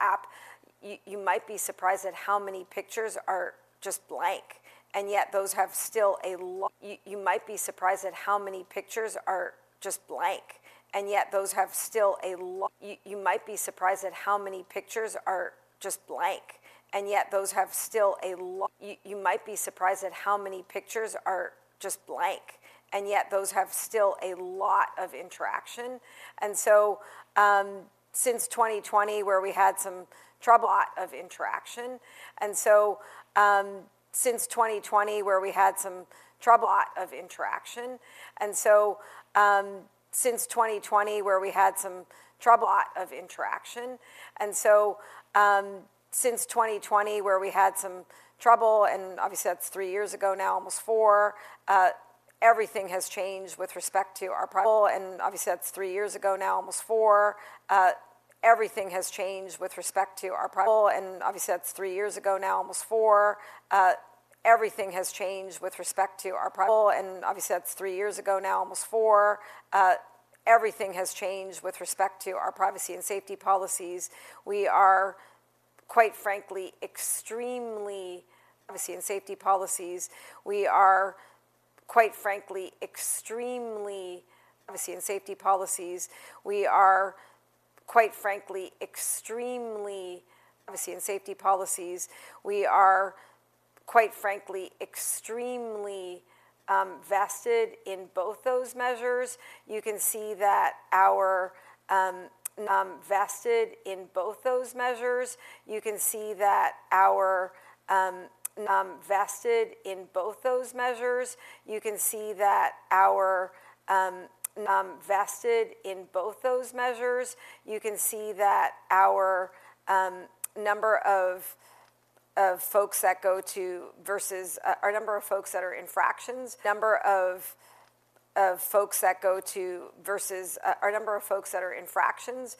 app, you might be surprised at how many pictures are just blank, and yet those have still a lot of interaction. And so, since 2020, where we had some trouble, a lot of interaction. Since 2020, where we had some trouble, and obviously that's three years ago now, almost four, everything has changed with respect to our privacy and safety policies. We are, quite frankly, extremely vested in both those measures. You can see that our number— You can see that we're invested in both those measures. You can see that our number of folks that go to versus our number of folks that are infractions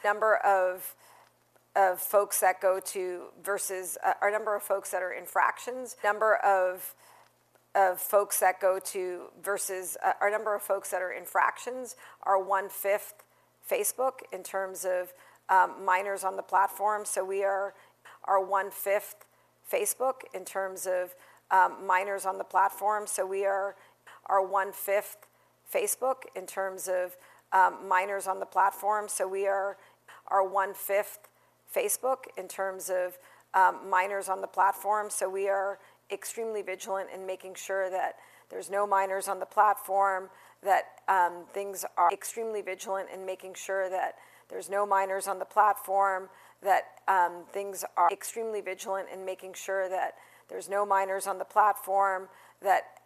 are 1/5 Facebook in terms of minors on the platform. So we are 1/5 Facebook in terms of minors on the platform. So we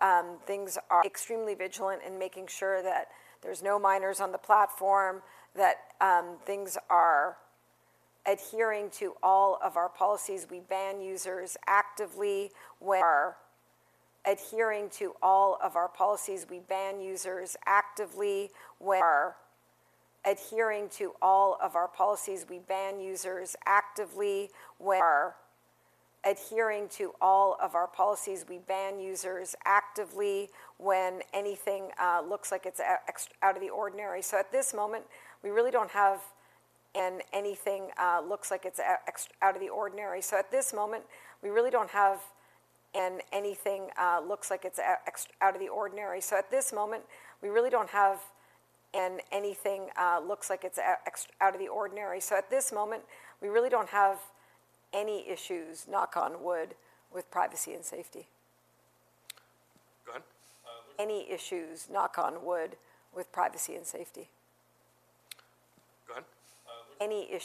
are extremely vigilant in making sure that there's no minors on the platform, that things are adhering to all of our policies. We ban users actively when anything looks like it's out of the ordinary. So at this moment, we really don't have anything that looks like it's out of the ordinary. So at this moment, we really don't have anything that looks like it's out of the ordinary. So at this moment, we really don't have any issues, knock on wood, with privacy and safety. Go ahead. Looks like your top 5 shareholders own about 85% of the shares outstanding. Is there any future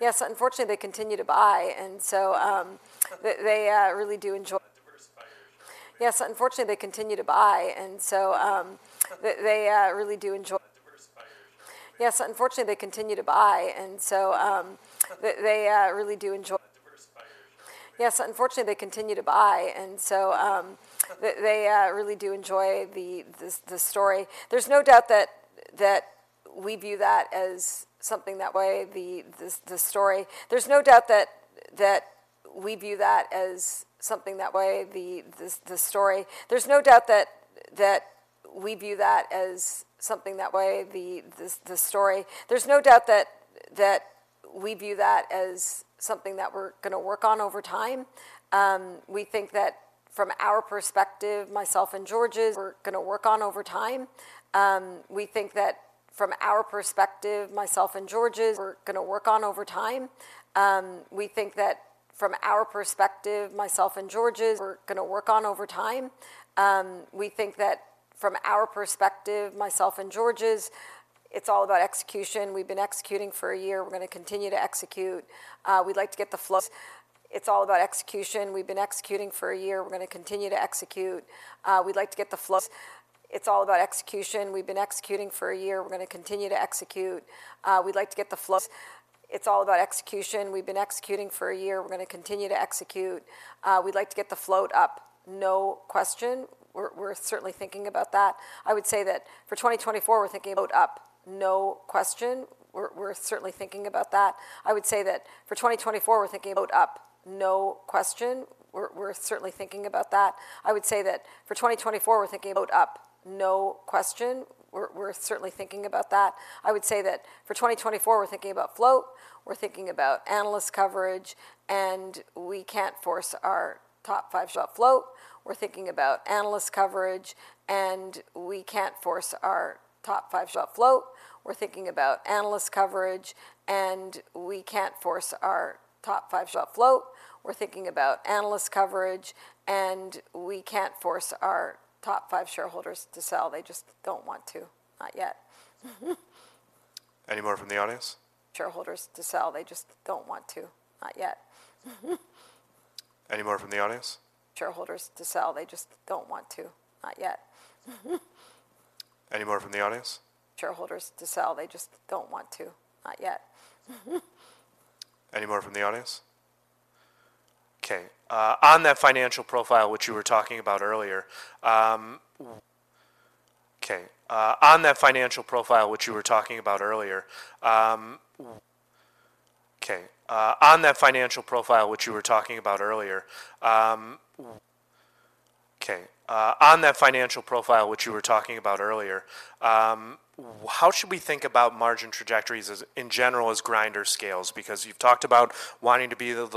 plan to kinda diversify your shareholders? Yes, unfortunately, they continue to buy, and so, they really do enjoy the story. There's no doubt that we view that as something that we're gonna work on over time. We think that from our perspective, myself and George's, it's all about execution. We've been executing for a year. We're gonna continue to execute. We'd like to get the float up, no question. We're certainly thinking about that. I would say that for 2024, we're thinking about up, no question. I would say that for 2024, we're thinking about float, we're thinking about analyst coverage, and we can't force our top five shareholders to sell. They just don't want to. Not yet. Any more from the audience? Okay. On that financial profile, which you were talking about earlier, okay. How should we think about margin trajectories as, in general, as Grindr scales? Because you've talked about wanting to be the, the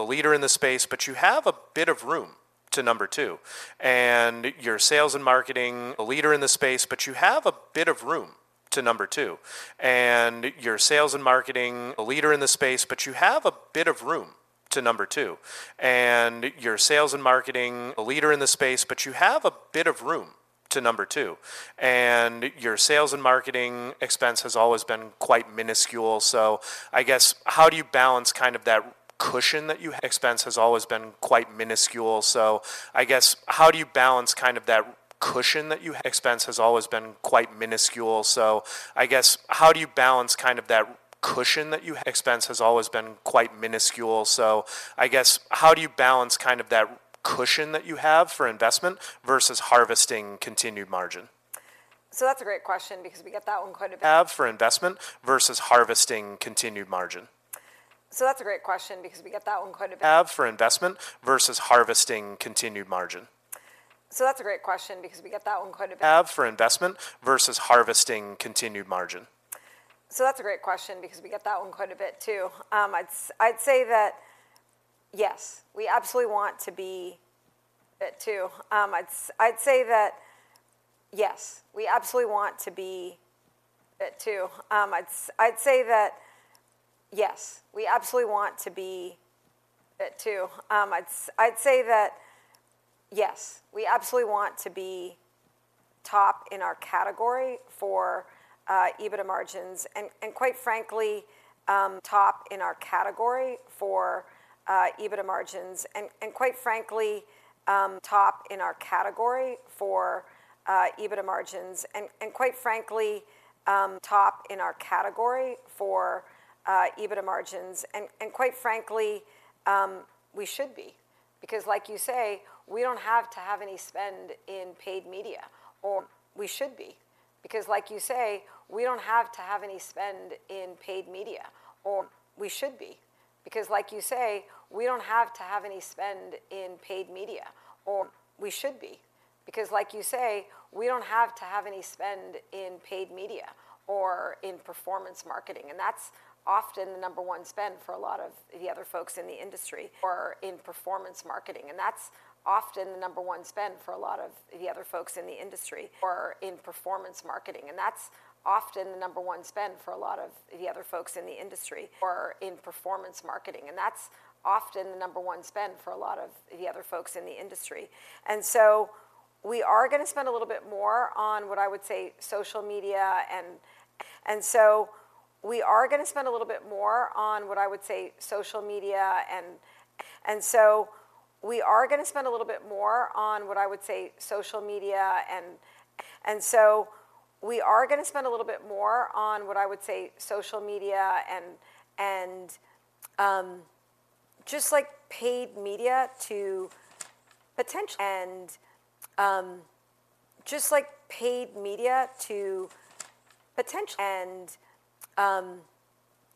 leader in the space, but you have a bit of room to number two. And you're the sales and marketing leader in the space, but you have a bit of room to number two. And your sales and marketing expense has always been quite minuscule. So I guess, how do you balance kind of that cushion that you have for investment versus harvesting continued margin? So that's a great question, because we get that one quite a bit, too. I'd say that, yes, we absolutely want to be top in our category for EBITDA margins. And quite frankly, we should be, because like you say, we don't have to have any spend in paid media, or... We should be, because like you say, we don't have to have any spend in paid media, or we should be, because like you say, we don't have to have any spend in paid media or in performance marketing. And that's often the number one spend for a lot of the other folks in the industry or in performance marketing, and that's often the number one spend for a lot of the other folks in the industry or in performance marketing, and that's often the number one spend for a lot of the other folks in the industry or in performance marketing, and that's often the number one spend for a lot of the other folks in the industry. And so we are gonna spend a little bit more on, what I would say, social media and, and,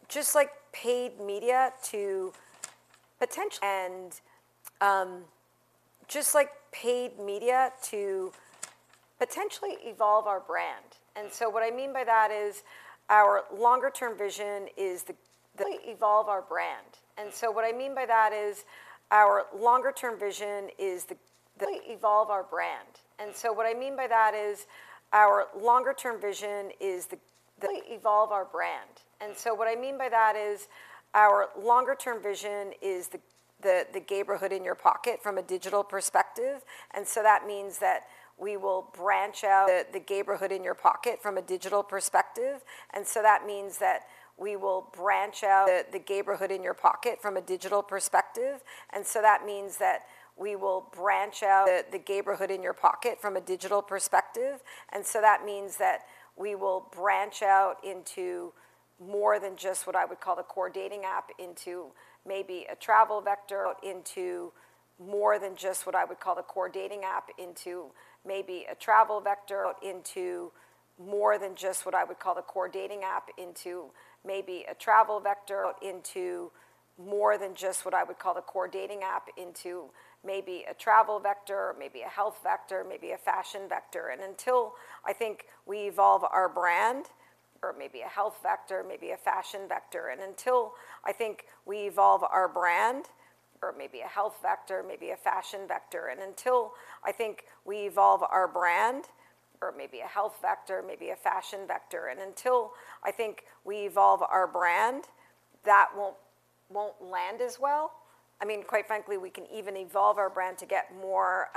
just like paid media to potentially evolve our brand. And so what I mean by that is, our longer term vision is the, the evolve our brand. And so what I mean by that is, our longer term vision is to evolve our brand, the Gayborhood in your pocket from a digital perspective. And so that means that we will branch out the Gayborhood in your pocket from a digital perspective. And so that means that we will branch out into more than just what I would call the core dating app, into maybe a travel vector, maybe a health vector, maybe a fashion vector. And until I think we evolve our brand, that won't land as well. I mean, quite frankly, we can even evolve our brand to get more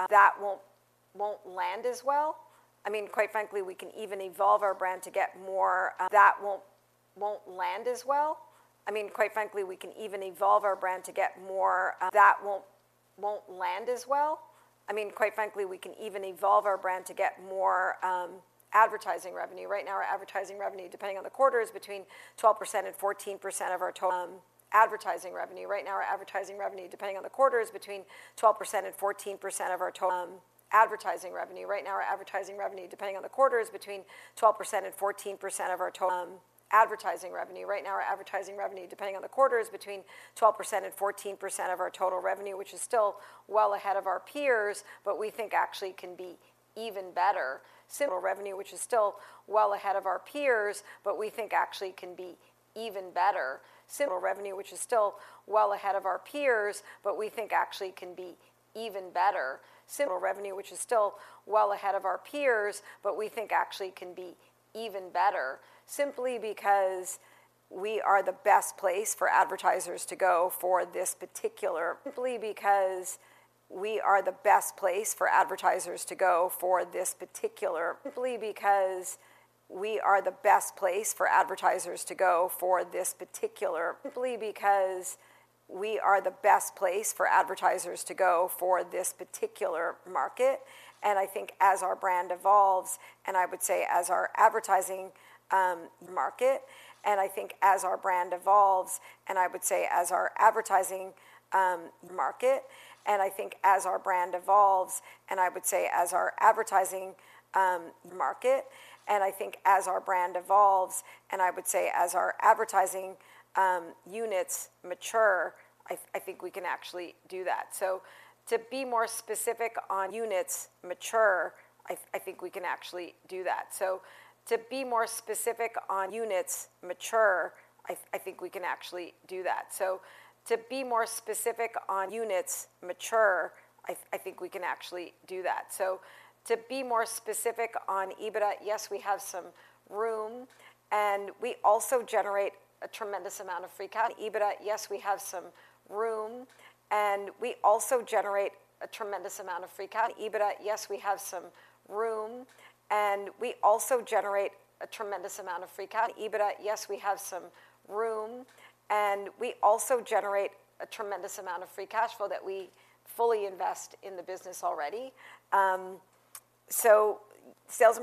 advertising revenue. Right now, our advertising revenue, depending on the quarter, is between 12% and 14% of our total advertising revenue. Right now, our advertising revenue, depending on the quarter, is between 12% and 14% of our total revenue, which is still well ahead of our peers, but we think actually can be even better, simply because we are the best place for advertisers to go for this particular market. I think as our brand evolves, and I would say as our advertising units mature, I think we can actually do that. So to be more specific on EBITDA, yes, we have some room, and we also generate a tremendous amount of free cash. EBITDA, yes, we have some room, and we also generate a tremendous amount of free cash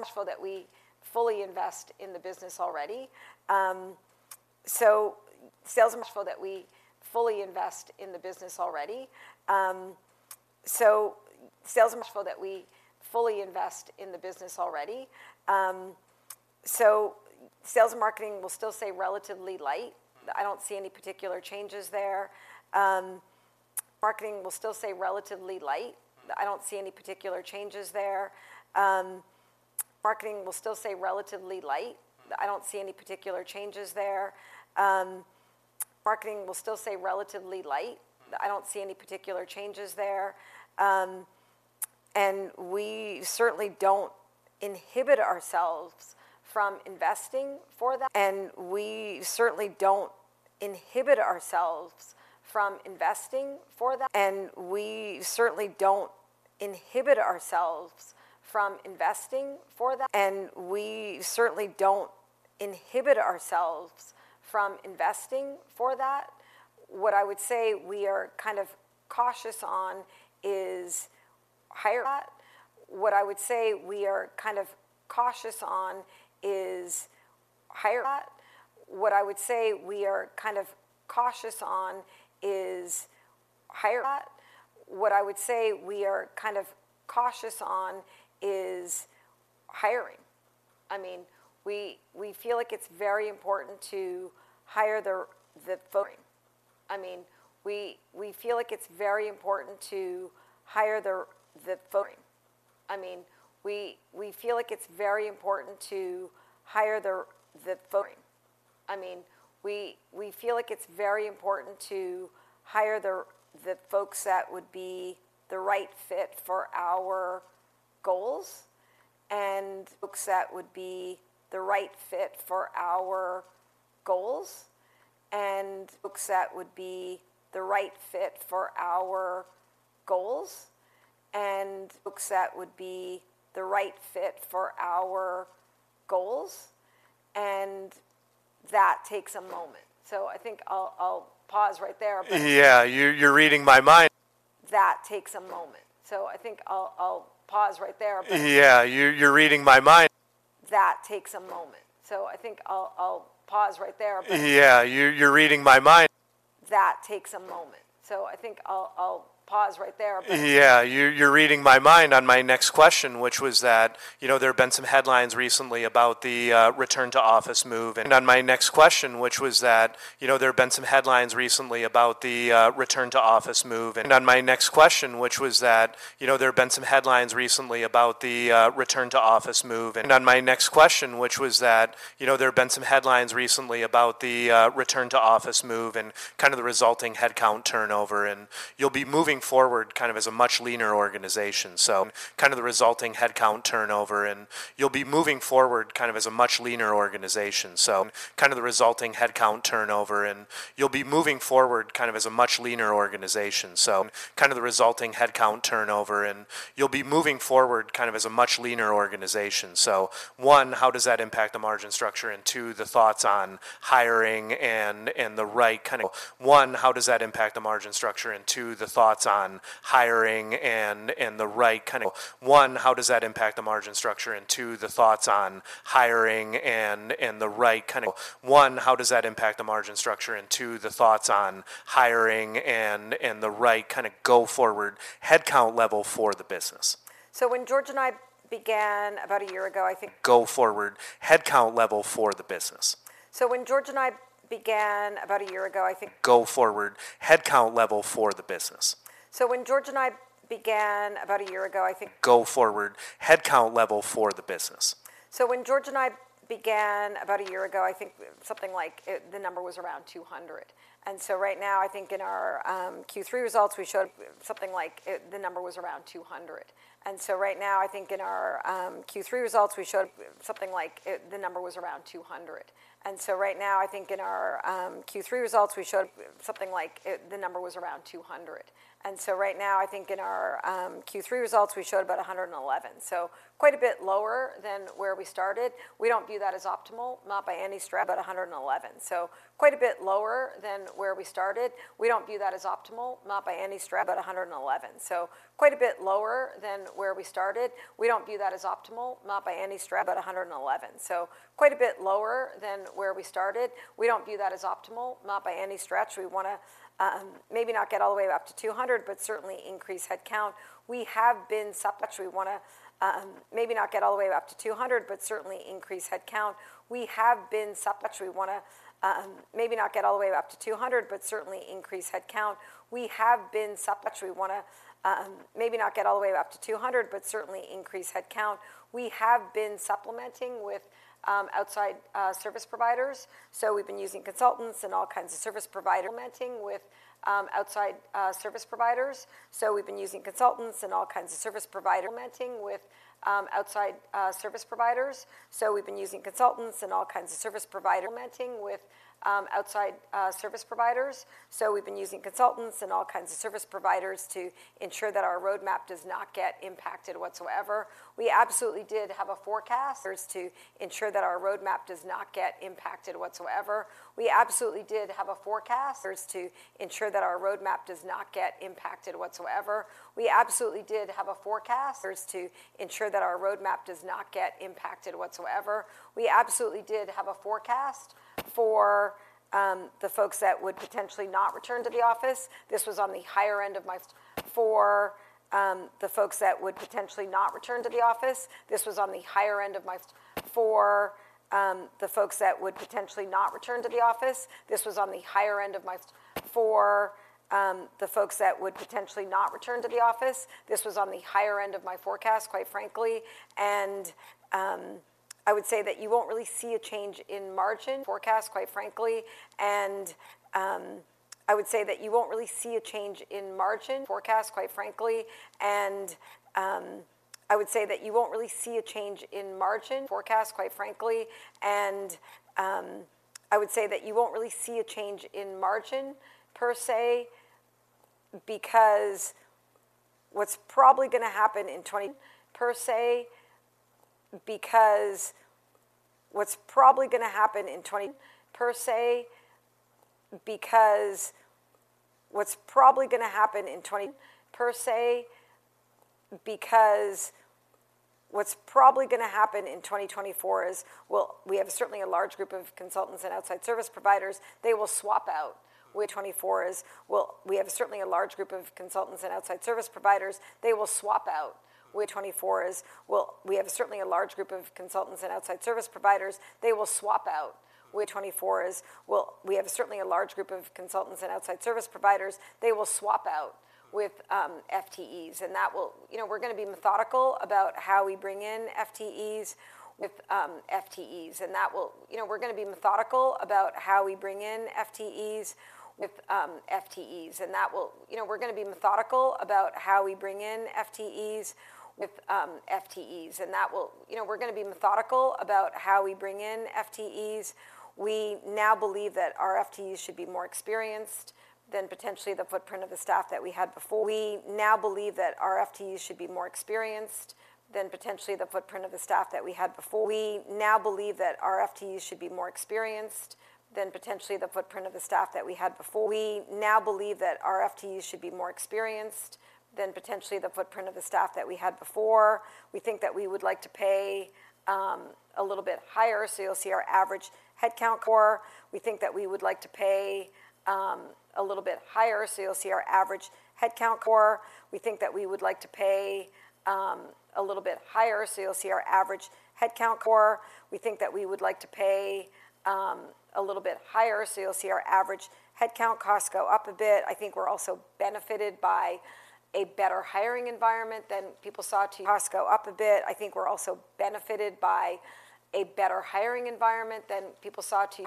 flow that we fully invest in the business already. So sales and marketing will still stay relatively light. I don't see any particular changes there. We certainly don't inhibit ourselves from investing for that. What I would say we are kind of cautious on is hiring. I mean, we feel like it's very important to hire the folks that would be the right fit for our goals. And that takes a moment. So I think I'll pause right there. Yeah, you're reading my mind on my next question, which was that, you know, there have been some headlines recently about the return to office move and kind of the resulting headcount turnover, and you'll be moving forward kind of as a much leaner organization. So kind of the resulting headcount turnover, and you'll be moving forward kind of as a much leaner organization. So, one, how does that impact the margin structure? And two, the thoughts on hiring and, and the right kind of go-forward headcount level for the business. So when George and I began about a year ago, I think something like the number was around 200. So right now, I think in our Q3 results, we showed about 111. So quite a bit lower than where we started. We don't view that as optimal, not by any stretch. We don't view that as optimal, not by any stretch. About 111. So quite a bit lower than where we started. We don't view that as optimal, not by any stretch. Actually, we wanna maybe not get all the way up to 200, but certainly increase headcount. We have been supplementing with outside service providers, so we've been using consultants and all kinds of service providers. So we've been using consultants and all kinds of service providers supplementing with outside service providers to ensure that our roadmap does not get impacted whatsoever. We absolutely did have a forecast for the folks that would potentially not return to the office. This was on the higher end of my forecast for the folks that would potentially not return to the office. This was on the higher end of my forecast, quite frankly. And I would say that you won't really see a change in margin forecast, quite frankly. And, I would say that you won't really see a change in margin per se, because what's probably gonna happen in 2024 is, well, we have certainly a large group of consultants and outside service providers. They will swap out. They will swap out with FTEs, and that will—you know, we're gonna be methodical about how we bring in FTEs. We now believe that our FTEs should be more experienced than potentially the footprint of the staff that we had before. We now believe that our FTEs should be more experienced than potentially the footprint of the staff that we had before. We think that we would like to pay a little bit higher, so you'll see our average headcount costs go up a bit. I think we're also benefited by a better hiring environment than people saw, too. Costs go up a bit. I think we're also benefited by a better hiring environment than people saw two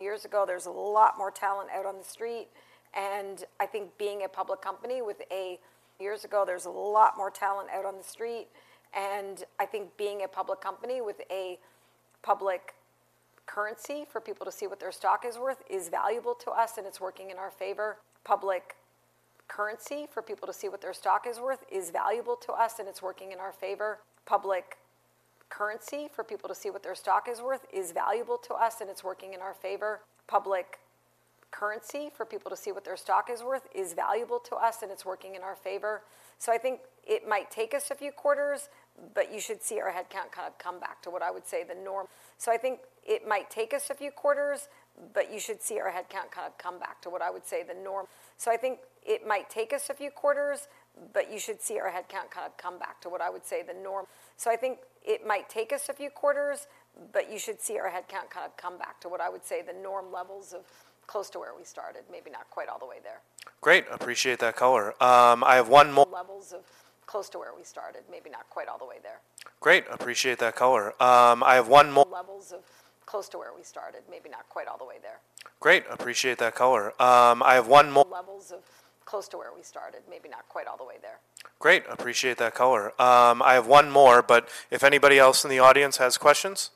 years ago. There's a lot more talent out on the street, and I think being a public company with a public currency for people to see what their stock is worth is valuable to us, and it's working in our favor. Public currency for people to see what their stock is worth is valuable to us, and it's working in our favor. Public currency for people to see what their stock is worth is valuable to us, and it's working in our favor. Public currency for people to see what their stock is worth is valuable to us, and it's working in our favor. So I think it might take us a few quarters, but you should see our headcount kind of come back to what I would say the norm. So I think it might take us a few quarters, but you should see our headcount kind of come back to what I would say the norm. So I think it might take us a few quarters, but you should see our headcount kind of come back to what I would say the norm. So I think it might take us a few quarters, but you should see our headcount kind of come back to what I would say the norm levels of close to where we started, maybe not quite all the way there. Great. Appreciate that color. I have one more, but if anybody else in the audience has questions?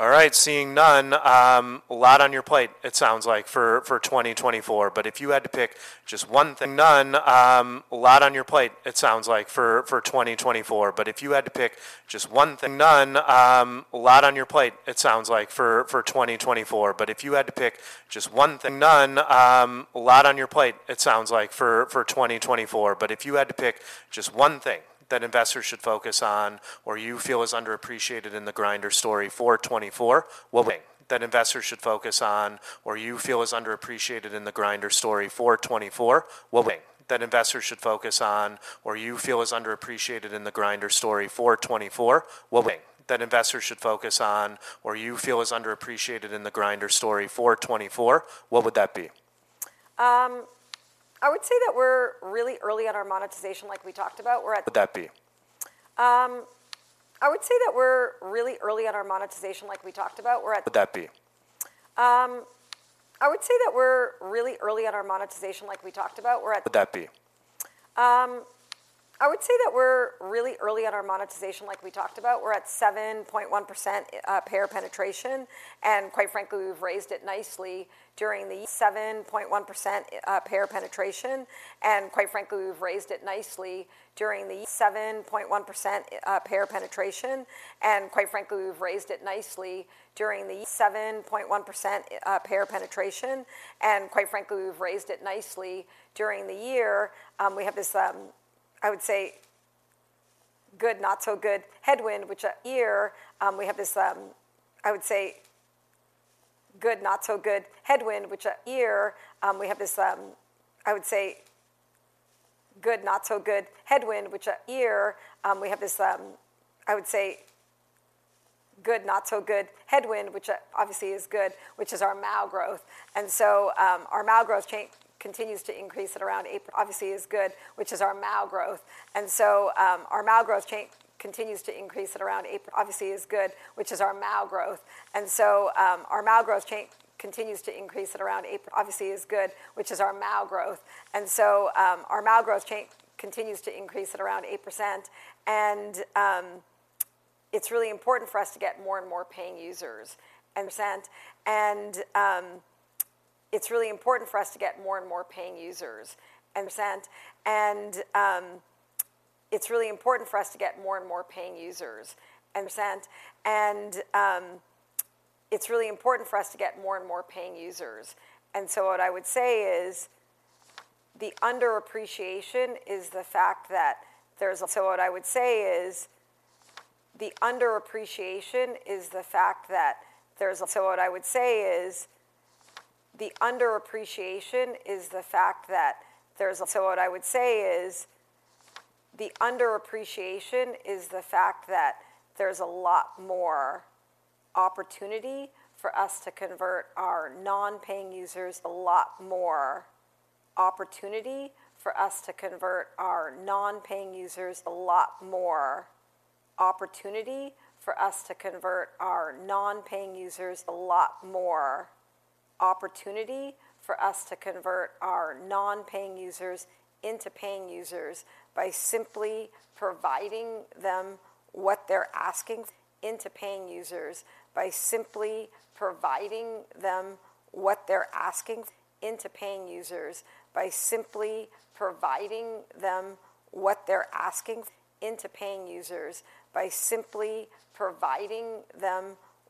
All right, seeing none. A lot on your plate, it sounds like, for 2024. But if you had to pick just one thing— But if you had to pick just one thing that investors should focus on or you feel is underappreciated in the Grindr story for 2024, what would that be? I would say that we're really early on our monetization, like we talked about. We're at 7.1% payer penetration, and quite frankly, we've raised it nicely during the year. We have this, I would say, good, not so good headwind, which year obviously is good, which is our MAU growth. And so, our MAU growth chain continues to increase at around 8%-- obviously is good, which is our MAU growth. And so, our MAU growth chain continues to increase at around 8%, and it's really important for us to get more and more paying users. So what I would say is, the underappreciation is the fact that there's a lot more opportunity for us to convert our non-paying users into paying users by simply providing them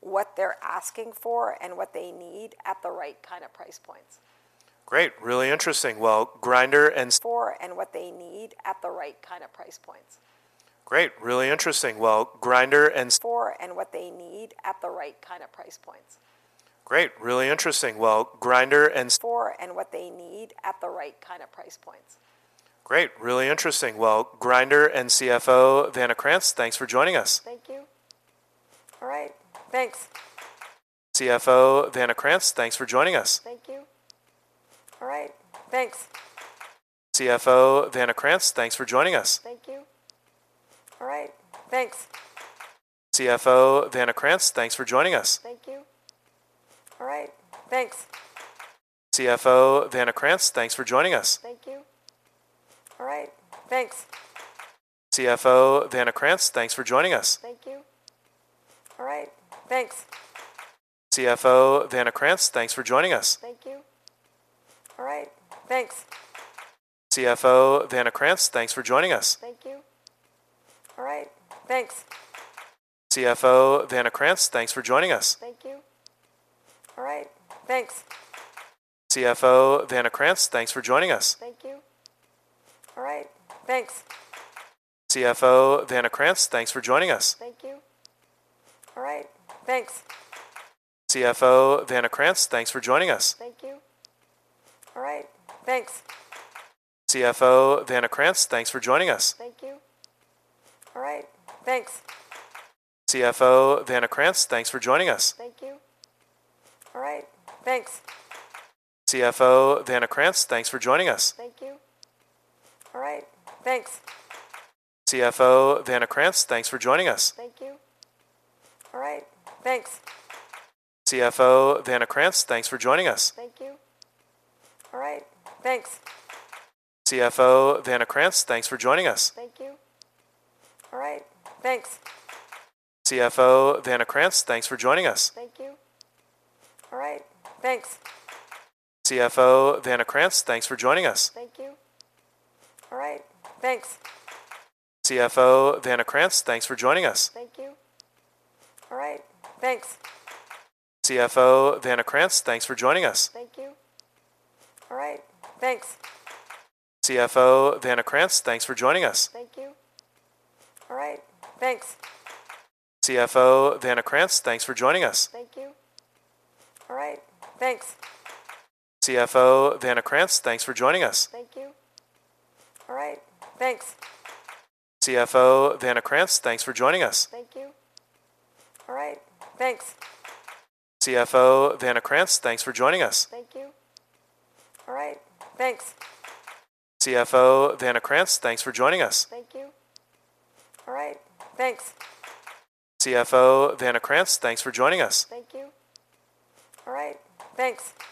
what they're asking for and what they need at the right kind of price points. Great. Really interesting. Well, Grindr and CFO Vanna Krantz, thanks for joining us. Thank you. All right, thanks.